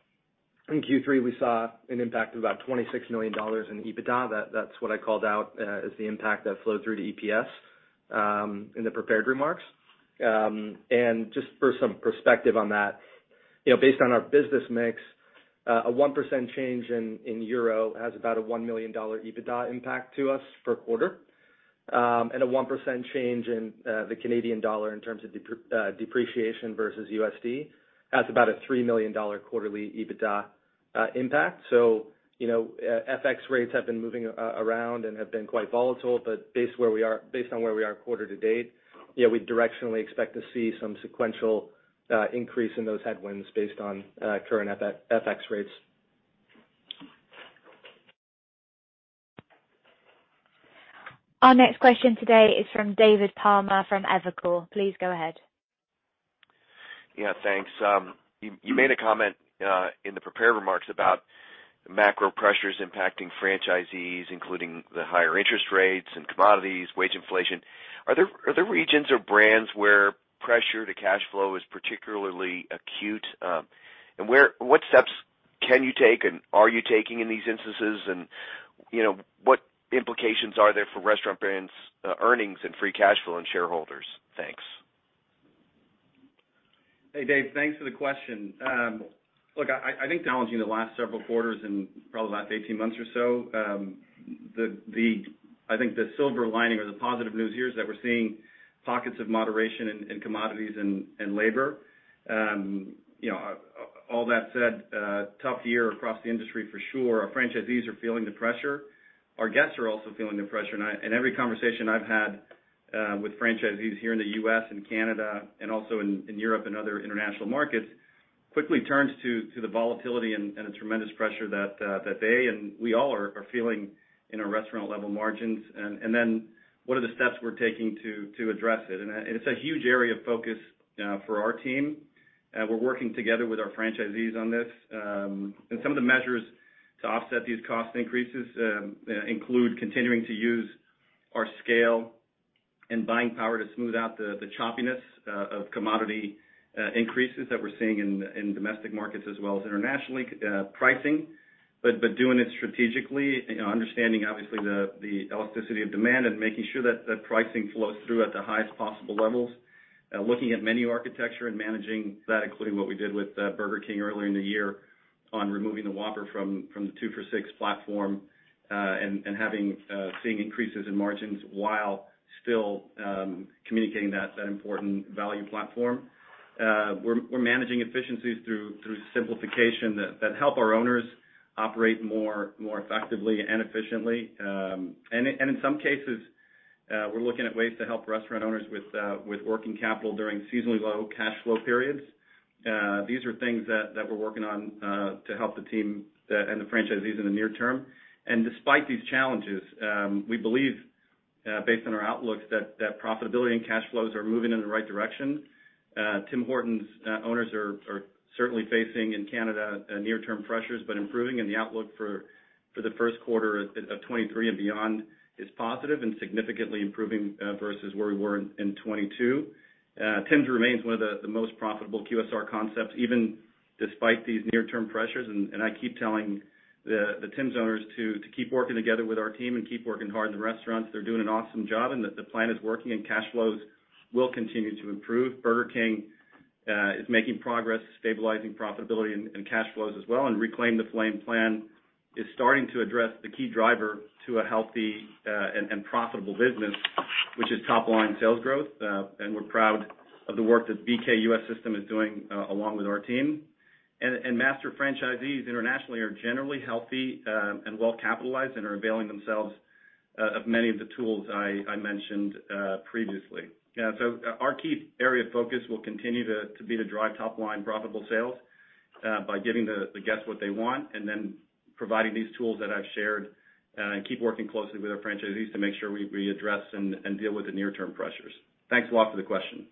In Q3, we saw an impact of about $26 million in EBITDA. That's what I called out, as the impact that flowed through to EPS, in the prepared remarks. Just for some perspective on that. You know, based on our business mix, a 1% change in euro has about a $1 million EBITDA impact to us per quarter. A 1% change in the Canadian dollar in terms of depreciation versus USD has about a $3 million quarterly EBITDA impact. You know, FX rates have been moving around and have been quite volatile, but based on where we are quarter to date, yeah, we directionally expect to see some sequential increase in those headwinds based on current FX rates. Our next question today is from David Palmer from Evercore. Please go ahead. Yeah, thanks. You made a comment in the prepared remarks about the macro pressures impacting franchisees, including the higher interest rates and commodities, wage inflation. Are there regions or brands where pressure to cash flow is particularly acute? What steps can you take and are you taking in these instances? You know, what implications are there for Restaurant Brands earnings and free cash flow and shareholders? Thanks. Hey, David, thanks for the question. Look, I think it's been challenging the last several quarters and probably the last 18 months or so. I think the silver lining or the positive news here is that we're seeing pockets of moderation in commodities and labor. You know, all that said, a tough year across the industry for sure. Our franchisees are feeling the pressure. Our guests are also feeling the pressure. Every conversation I've had with franchisees here in the U.S. and Canada, and also in Europe and other international markets, quickly turns to the volatility and the tremendous pressure that they and we all are feeling in our restaurant-level margins. Then what are the steps we're taking to address it? It's a huge area of focus for our team. We're working together with our franchisees on this. Some of the measures to offset these cost increases include continuing to use our scale and buying power to smooth out the choppiness of commodity increases that we're seeing in domestic markets as well as internationally, pricing, but doing it strategically, you know, understanding obviously the elasticity of demand and making sure that that pricing flows through at the highest possible levels. Looking at menu architecture and managing that, including what we did with Burger King earlier in the year on removing the Whopper from the two-for-six platform, and seeing increases in margins while still communicating that important value platform. We're managing efficiencies through simplification that help our owners operate more effectively and efficiently. In some cases, we're looking at ways to help restaurant owners with working capital during seasonally low cash flow periods. These are things that we're working on to help the team and the franchisees in the near term. Despite these challenges, we believe, based on our outlooks, that profitability and cash flows are moving in the right direction. Tim Hortons owners are certainly facing in Canada near-term pressures, but improving, and the outlook for the first quarter of 2023 and beyond is positive and significantly improving versus where we were in 2022. Tim's remains one of the most profitable QSR concepts, even despite these near-term pressures. I keep telling the Tim's owners to keep working together with our team and keep working hard in the restaurants. They're doing an awesome job, and the plan is working and cash flows will continue to improve. Burger King is making progress stabilizing profitability and cash flows as well, and Reclaim the Flame plan is starting to address the key driver to a healthy and profitable business, which is top line sales growth. We're proud of the work that BK U.S. system is doing along with our team. Master franchisees internationally are generally healthy and well capitalized and are availing themselves of many of the tools I mentioned previously. Our key area of focus will continue to be to drive top-line profitable sales by giving the guests what they want and then providing these tools that I've shared and keep working closely with our franchisees to make sure we readdress and deal with the near-term pressures. Thanks a lot for the question.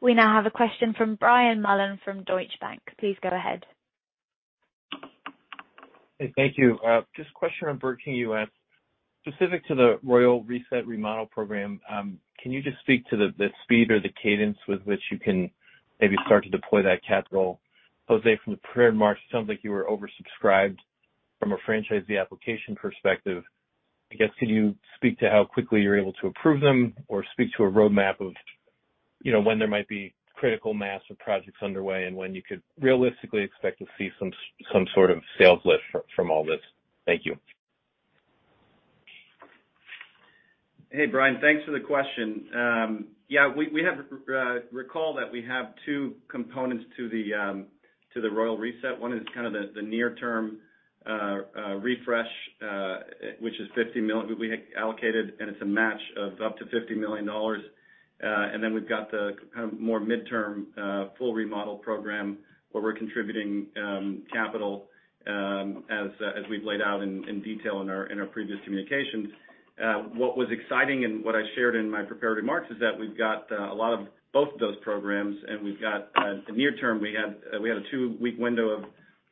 We now have a question from Brian Mullan from Deutsche Bank. Please go ahead. Hey, thank you. Just a question on Burger King US. Specific to the Royal Reset remodel program, can you just speak to the speed or the cadence with which you can maybe start to deploy that capital? Jose, from the prepared remarks, it sounds like you were oversubscribed from a franchisee application perspective. I guess, can you speak to how quickly you're able to approve them or speak to a roadmap of, you know, when there might be critical mass of projects underway and when you could realistically expect to see some sort of sales lift from all this? Thank you. Hey, Brian, thanks for the question. Recall that we have two components to the Royal Reset. One is kind of the near term refresh, which is $50 million we had allocated, and it's a match of up to $50 million. We've got the kind of more midterm full remodel program where we're contributing capital as we've laid out in detail in our previous communications. What was exciting and what I shared in my prepared remarks is that we've got a lot of both of those programs, and we've got the near term. We had a two-week window of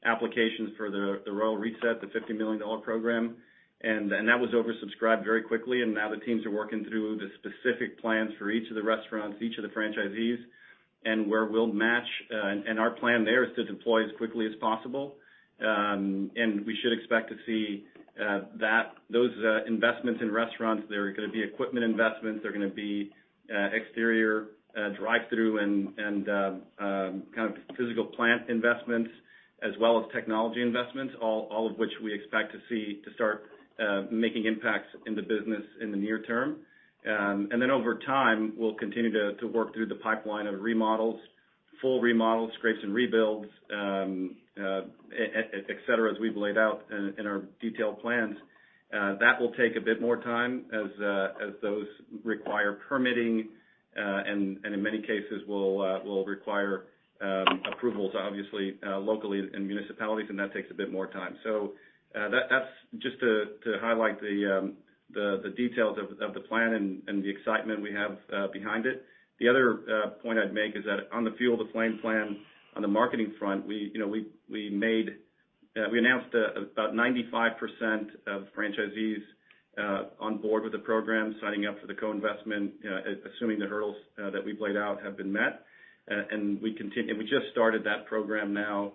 applications for the Royal Reset, the $50 million program. That was oversubscribed very quickly, and now the teams are working through the specific plans for each of the restaurants, each of the franchisees, and where we'll match. Our plan there is to deploy as quickly as possible. We should expect to see those investments in restaurants. There are gonna be equipment investments. There are gonna be exterior drive-through and kind of physical plant investments as well as technology investments, all of which we expect to see to start making impacts in the business in the near term. Over time, we'll continue to work through the pipeline of remodels, full remodels, scrapes and rebuilds, et cetera, as we've laid out in our detailed plans. That will take a bit more time as those require permitting, and in many cases will require approvals obviously, locally in municipalities, and that takes a bit more time. That's just to highlight the details of the plan and the excitement we have behind it. The other point I'd make is that on the Fuel the Flame plan, on the marketing front, we, you know, we made. We announced about 95% of franchisees on board with the program signing up for the co-investment, assuming the hurdles that we played out have been met. We just started that program now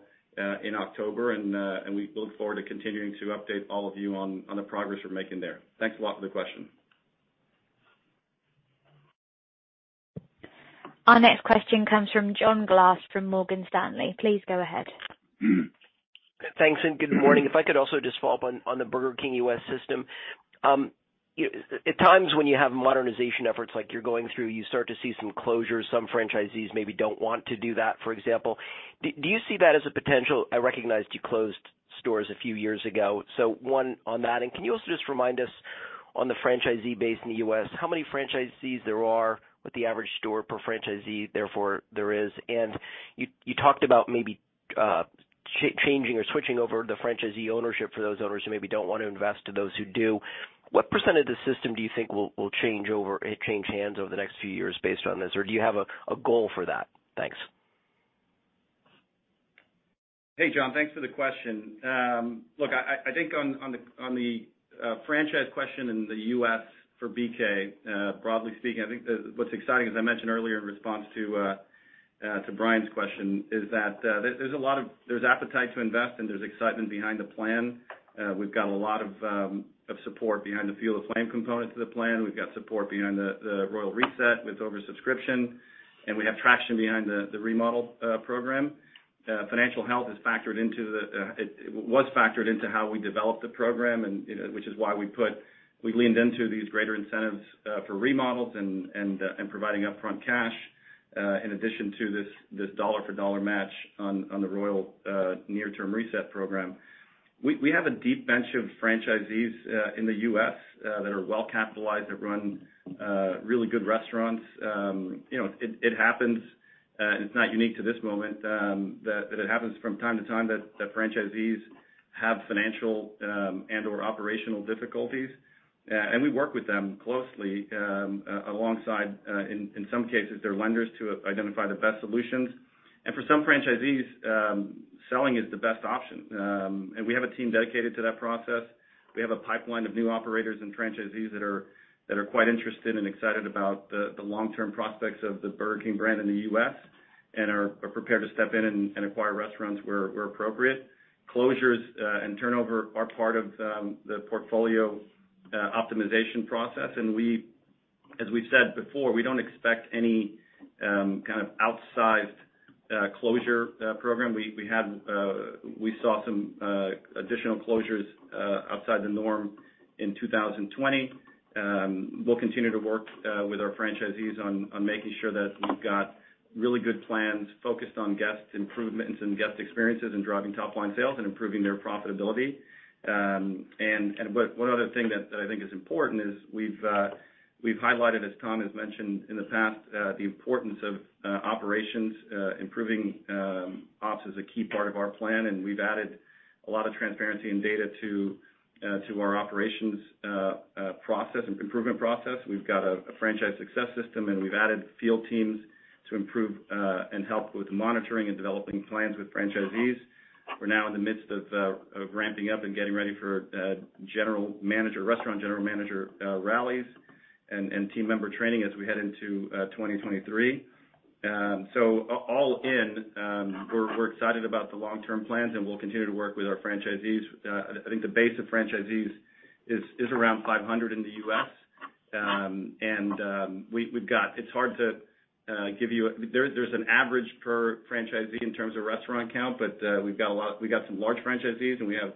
in October, and we look forward to continuing to update all of you on the progress we're making there. Thanks a lot for the question. Our next question comes from John Glass from Morgan Stanley. Please go ahead. Thanks, and good morning. If I could also just follow up on the Burger King U.S. system. At times when you have modernization efforts like you're going through, you start to see some closures, some franchisees maybe don't want to do that, for example. Do you see that as a potential? I recognize you closed stores a few years ago, so one on that. Can you also just remind us on the franchisee base in the U.S., how many franchisees there are with the average store per franchisee, therefore, there is? You talked about maybe changing or switching over the franchisee ownership for those owners who maybe don't want to invest to those who do. What percent of the system do you think will change hands over the next few years based on this? Do you have a goal for that? Thanks. Hey, John. Thanks for the question. Look, I think on the franchise question in the U.S. for BK, broadly speaking, I think what's exciting, as I mentioned earlier in response to Brian's question, is that there's appetite to invest and there's excitement behind the plan. We've got a lot of support behind the Fuel the Flame component to the plan. We've got support behind the Royal Reset with oversubscription, and we have traction behind the remodel program. Financial health is factored into. It was factored into how we developed the program and, you know, which is why we leaned into these greater incentives for remodels and providing upfront cash in addition to this dollar for dollar match on the Royal near-term Reset program. We have a deep bench of franchisees in the U.S. that are well capitalized, that run really good restaurants. You know, it happens, it's not unique to this moment that it happens from time to time that franchisees have financial and/or operational difficulties. We work with them closely, alongside in some cases, their lenders to identify the best solutions. For some franchisees, selling is the best option. We have a team dedicated to that process. We have a pipeline of new operators and franchisees that are quite interested and excited about the long-term prospects of the Burger King brand in the U.S. and are prepared to step in and acquire restaurants where appropriate. Closures and turnover are part of the portfolio optimization process. As we've said before, we don't expect any kind of outsized closure program. We saw some additional closures outside the norm in 2020. We'll continue to work with our franchisees on making sure that we've got really good plans focused on guest improvements and guest experiences and driving top-line sales and improving their profitability. One other thing that I think is important is we've highlighted, as Tom has mentioned in the past, the importance of operations. Improving ops is a key part of our plan, and we've added a lot of transparency and data to our operations process and improvement process. We've got a Franchise Success System, and we've added field teams to improve and help with monitoring and developing plans with franchisees. We're now in the midst of ramping up and getting ready for restaurant general manager rallies and team member training as we head into 2023. All in, we're excited about the long-term plans, and we'll continue to work with our franchisees. I think the base of franchisees is around 500 in the U.S. It's hard to give you. There is an average per franchisee in terms of restaurant count, but we've got some large franchisees, and we have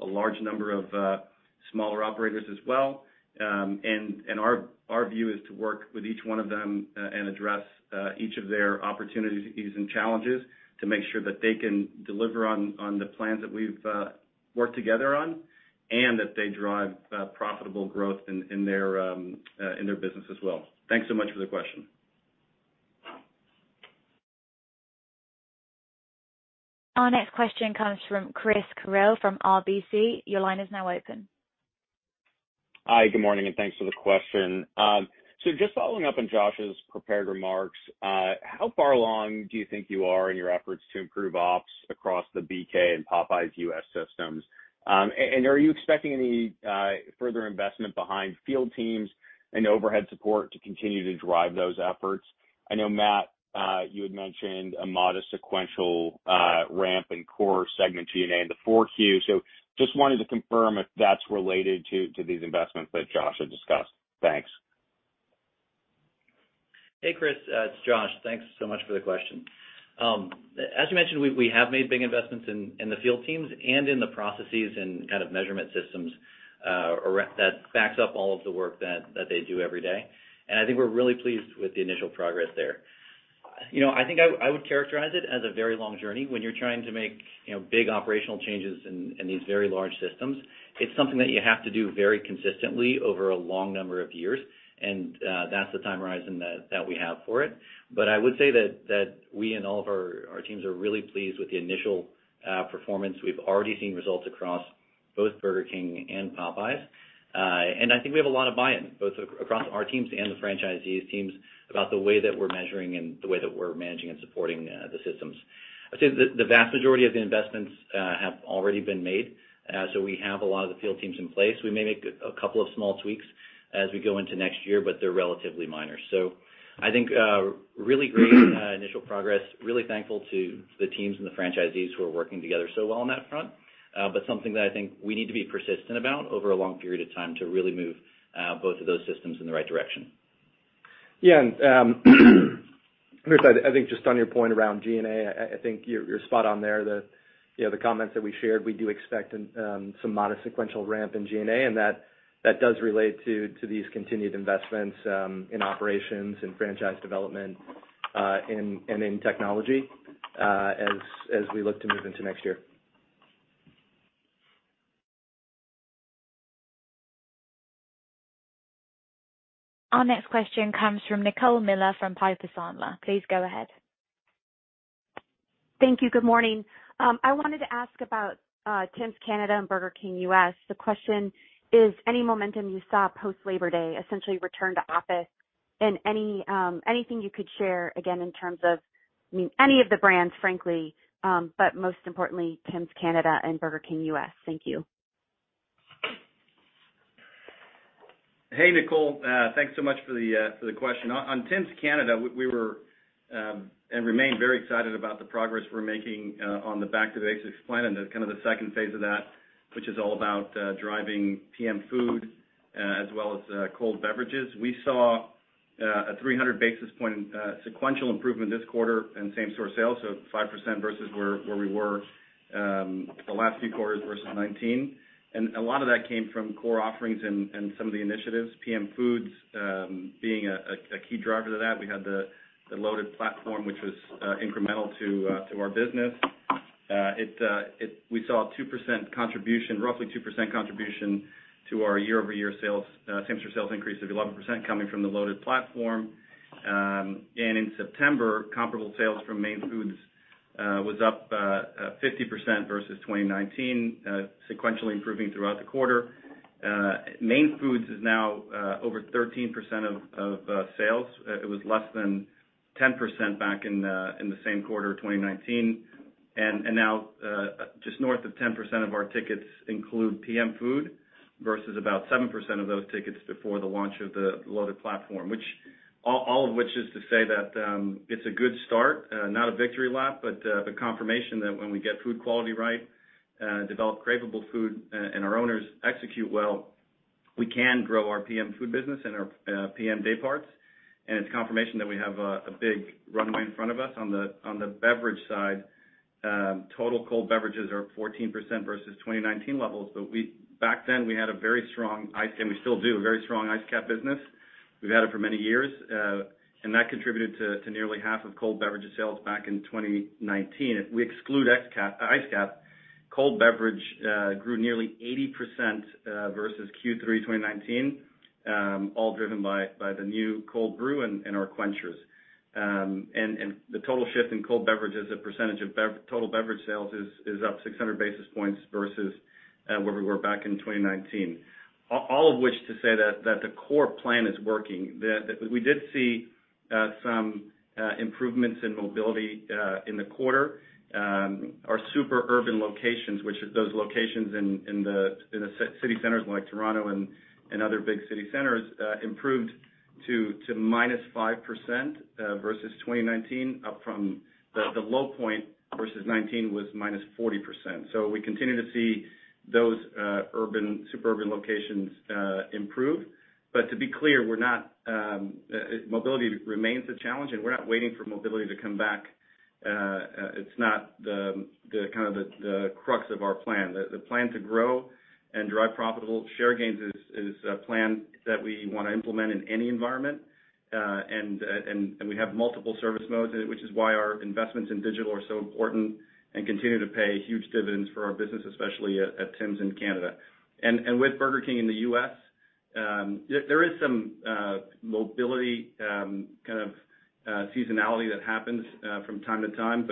a large number of smaller operators as well. Our view is to work with each one of them and address each of their opportunities and challenges to make sure that they can deliver on the plans that we've worked together on, and that they drive profitable growth in their business as well. Thanks so much for the question. Our next question comes from Chris Carril from RBC. Your line is now open. Hi, good morning, and thanks for the question. Just following up on Josh's prepared remarks, how far along do you think you are in your efforts to improve ops across the BK and Popeyes U.S. systems? And are you expecting any further investment behind field teams and overhead support to continue to drive those efforts? I know, Matt, you had mentioned a modest sequential ramp in core segment G&A in the 4Q. Just wanted to confirm if that's related to these investments that Josh had discussed. Thanks. Hey, Chris, it's Josh. Thanks so much for the question. As you mentioned, we have made big investments in the field teams and in the processes and kind of measurement systems that backs up all of the work that they do every day. I think we're really pleased with the initial progress there. You know, I think I would characterize it as a very long journey when you're trying to make, you know, big operational changes in these very large systems. It's something that you have to do very consistently over a long number of years, and that's the time horizon that we have for it. I would say that we and all of our teams are really pleased with the initial performance. We've already seen results across Both Burger King and Popeyes. I think we have a lot of buy-in, both across our teams and the franchisees teams about the way that we're measuring and the way that we're managing and supporting the systems. I'd say the vast majority of the investments have already been made, so we have a lot of the field teams in place. We may make a couple of small tweaks as we go into next year, but they're relatively minor. I think really great initial progress, really thankful to the teams and the franchisees who are working together so well on that front. But something that I think we need to be persistent about over a long period of time to really move both of those systems in the right direction. Yeah. I think just on your point around G&A, I think you're spot on there. You know, the comments that we shared, we do expect some modest sequential ramp in G&A, and that does relate to these continued investments in operations and franchise development, and in technology, as we look to move into next year. Our next question comes from Nicole Miller from Piper Sandler. Please go ahead. Thank you. Good morning. I wanted to ask about Tim's Canada and Burger King U.S.. The question is, any momentum you saw post Labor Day, essentially return to office and any anything you could share again in terms of any of the brands, frankly, but most importantly, Tim's Canada and Burger King U.S. Thank you. Hey, Nicole. Thanks so much for the question. On Tim's Canada, we were and remain very excited about the progress we're making on the Back to Basics plan and the second phase of that, which is all about driving PM food as well as cold beverages. We saw a 300 basis point sequential improvement this quarter in same-store sales, so 5% versus where we were the last few quarters versus 19%. A lot of that came from core offerings and some of the initiatives, PM foods being a key driver to that. We had the loaded platform, which was incremental to our business. We saw a roughly 2% contribution to our year-over-year same store sales increase of 11% coming from the loaded platform. In September, comparable sales from main foods was up 50% versus 2019, sequentially improving throughout the quarter. Main foods is now over 13% of sales. It was less than 10% back in the same quarter of 2019. Now, just north of 10% of our tickets include PM food versus about 7% of those tickets before the launch of the Loaded Chili, which all of which is to say that, it's a good start, not a victory lap, but confirmation that when we get food quality right, develop craveable food and our owners execute well, we can grow our PM food business and our PM day parts. It's confirmation that we have a big runway in front of us. On the beverage side, total cold beverages are 14% versus 2019 levels. Back then, we had a very strong Iced Capp, and we still do, a very strong Iced Capp business. We've had it for many years, and that contributed to nearly half of cold beverage sales back in 2019. If we exclude ice cap, cold beverage grew nearly 80% versus Q3 2019, all driven by the new cold brew and our quenchers. The total shift in cold beverages, a percentage of total beverage sales is up 600 basis points versus where we were back in 2019. All of which to say that the core plan is working. We did see some improvements in mobility in the quarter. Our super urban locations, which are those locations in the city centers like Toronto and other big city centers, improved to -5% versus 2019, up from the low point versus 2019 which was -40%. We continue to see those super urban locations improve. To be clear, mobility remains a challenge, and we're not waiting for mobility to come back. It's not the crux of our plan. The plan to grow and drive profitable share gains is a plan that we wanna implement in any environment, and we have multiple service modes, which is why our investments in digital are so important and continue to pay huge dividends for our business, especially at Tim's in Canada. With Burger King in the U.S., there is some mobility, kind of, seasonality that happens from time to time.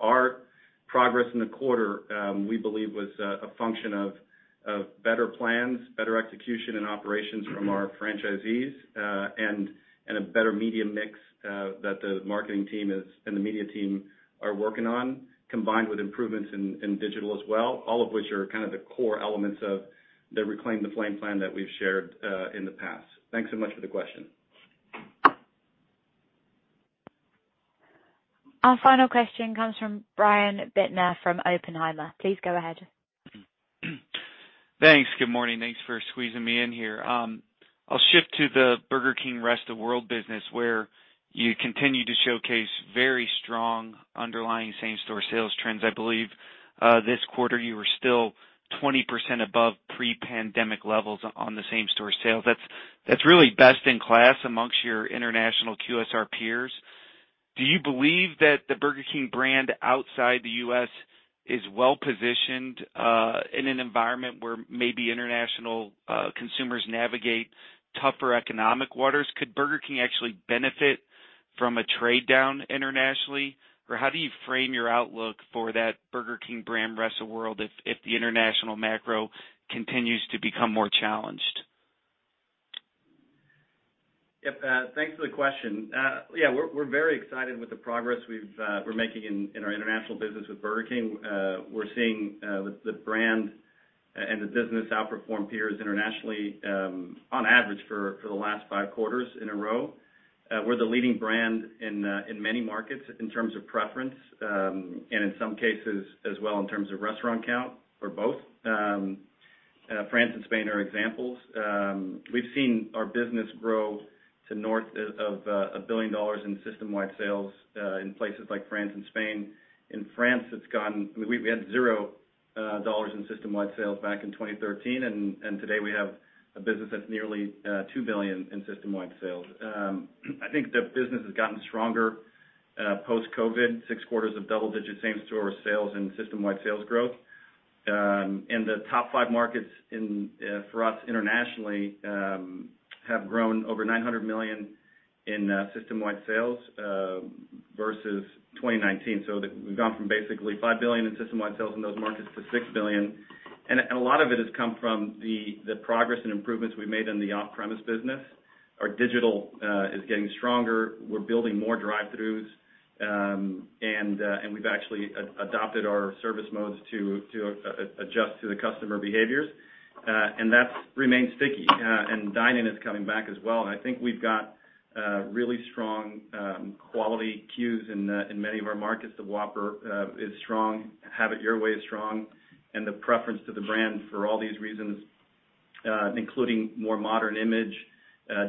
Our progress in the quarter, we believe was a function of better plans, better execution and operations from our franchisees, and a better media mix that the marketing team is, and the media team are working on, combined with improvements in digital as well, all of which are kind of the core elements of the Reclaim the Flame plan that we've shared in the past. Thanks so much for the question. Our final question comes from Brian Bittner from Oppenheimer. Please go ahead. Thanks. Good morning. Thanks for squeezing me in here. I'll shift to the Burger King rest of world business, where you continue to showcase very strong underlying same-store sales trends. I believe this quarter, you were still 20% above pre-pandemic levels on the same-store sales. That's really best in class among your international QSR peers. Do you believe that the Burger King brand outside the U.S. is well-positioned in an environment where maybe international consumers navigate tougher economic waters? Could Burger King actually benefit from a trade down internationally, or how do you frame your outlook for that Burger King brand rest of world if the international macro continues to become more challenged? Yep. Thanks for the question. Yeah, we're very excited with the progress we're making in our international business with Burger King. We're seeing the brand and the business outperform peers internationally on average for the last five quarters in a row. We're the leading brand in many markets in terms of preference, and in some cases as well in terms of restaurant count or both. France and Spain are examples. We've seen our business grow to north of $1 billion in system-wide sales in places like France and Spain. In France, we had $0 in system-wide sales back in 2013 and today we have a business that's nearly $2 billion in system-wide sales. I think the business has gotten stronger post-COVID, six quarters of double digits same-store sales and system-wide sales growth. The top five markets for us internationally have grown over $900 million in system-wide sales versus 2019. We've gone from basically $5 billion in system-wide sales in those markets to $6 billion. A lot of it has come from the progress and improvements we made in the off-premise business. Our digital is getting stronger. We're building more drive-throughs. We've actually adopted our service modes to adjust to the customer behaviors. That's remained sticky. Dine-in is coming back as well. I think we've got a really strong quality queues in many of our markets. The Whopper is strong, Have It Your Way is strong, and the preference to the brand for all these reasons, including more modern image,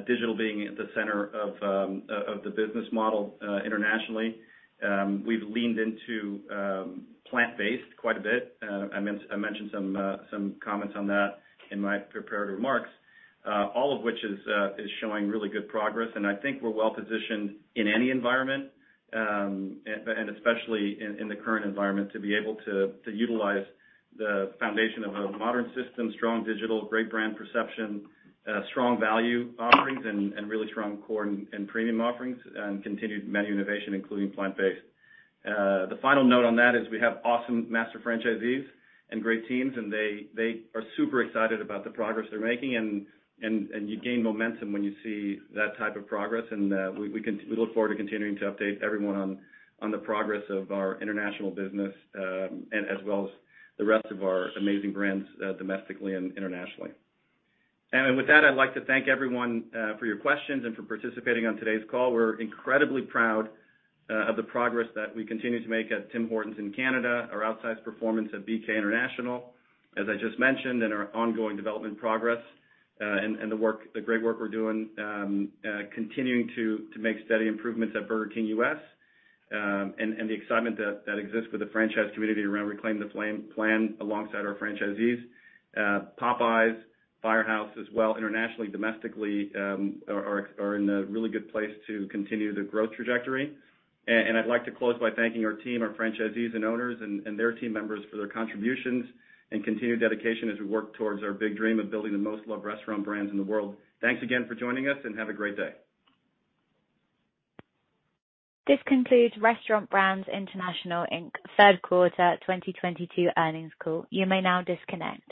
digital being at the center of the business model, internationally. We've leaned into plant-based quite a bit. I mentioned some comments on that in my prepared remarks, all of which is showing really good progress. I think we're well positioned in any environment, and especially in the current environment, to be able to utilize the foundation of a modern system, strong digital, great brand perception, strong value offerings and really strong core and premium offerings and continued menu innovation, including plant-based. The final note on that is we have awesome master franchisees and great teams, and they are super excited about the progress they're making, and you gain momentum when you see that type of progress. We look forward to continuing to update everyone on the progress of our international business, and as well as the rest of our amazing brands, domestically and internationally. With that, I'd like to thank everyone for your questions and for participating on today's call. We're incredibly proud of the progress that we continue to make at Tim Hortons in Canada, our outsized performance at BK International, as I just mentioned, in our ongoing development progress, and the great work we're doing, continuing to make steady improvements at Burger King U.S., and the excitement that exists with the franchise community around Reclaim the Flame plan alongside our franchisees. Popeyes, Firehouse as well, internationally, domestically, are in a really good place to continue the growth trajectory. I'd like to close by thanking our team, our franchisees and owners and their team members for their contributions and continued dedication as we work towards our big dream of building the most loved restaurant brands in the world. Thanks again for joining us, and have a great day. This concludes Restaurant Brands International Inc. third quarter 2022 earnings call. You may now disconnect.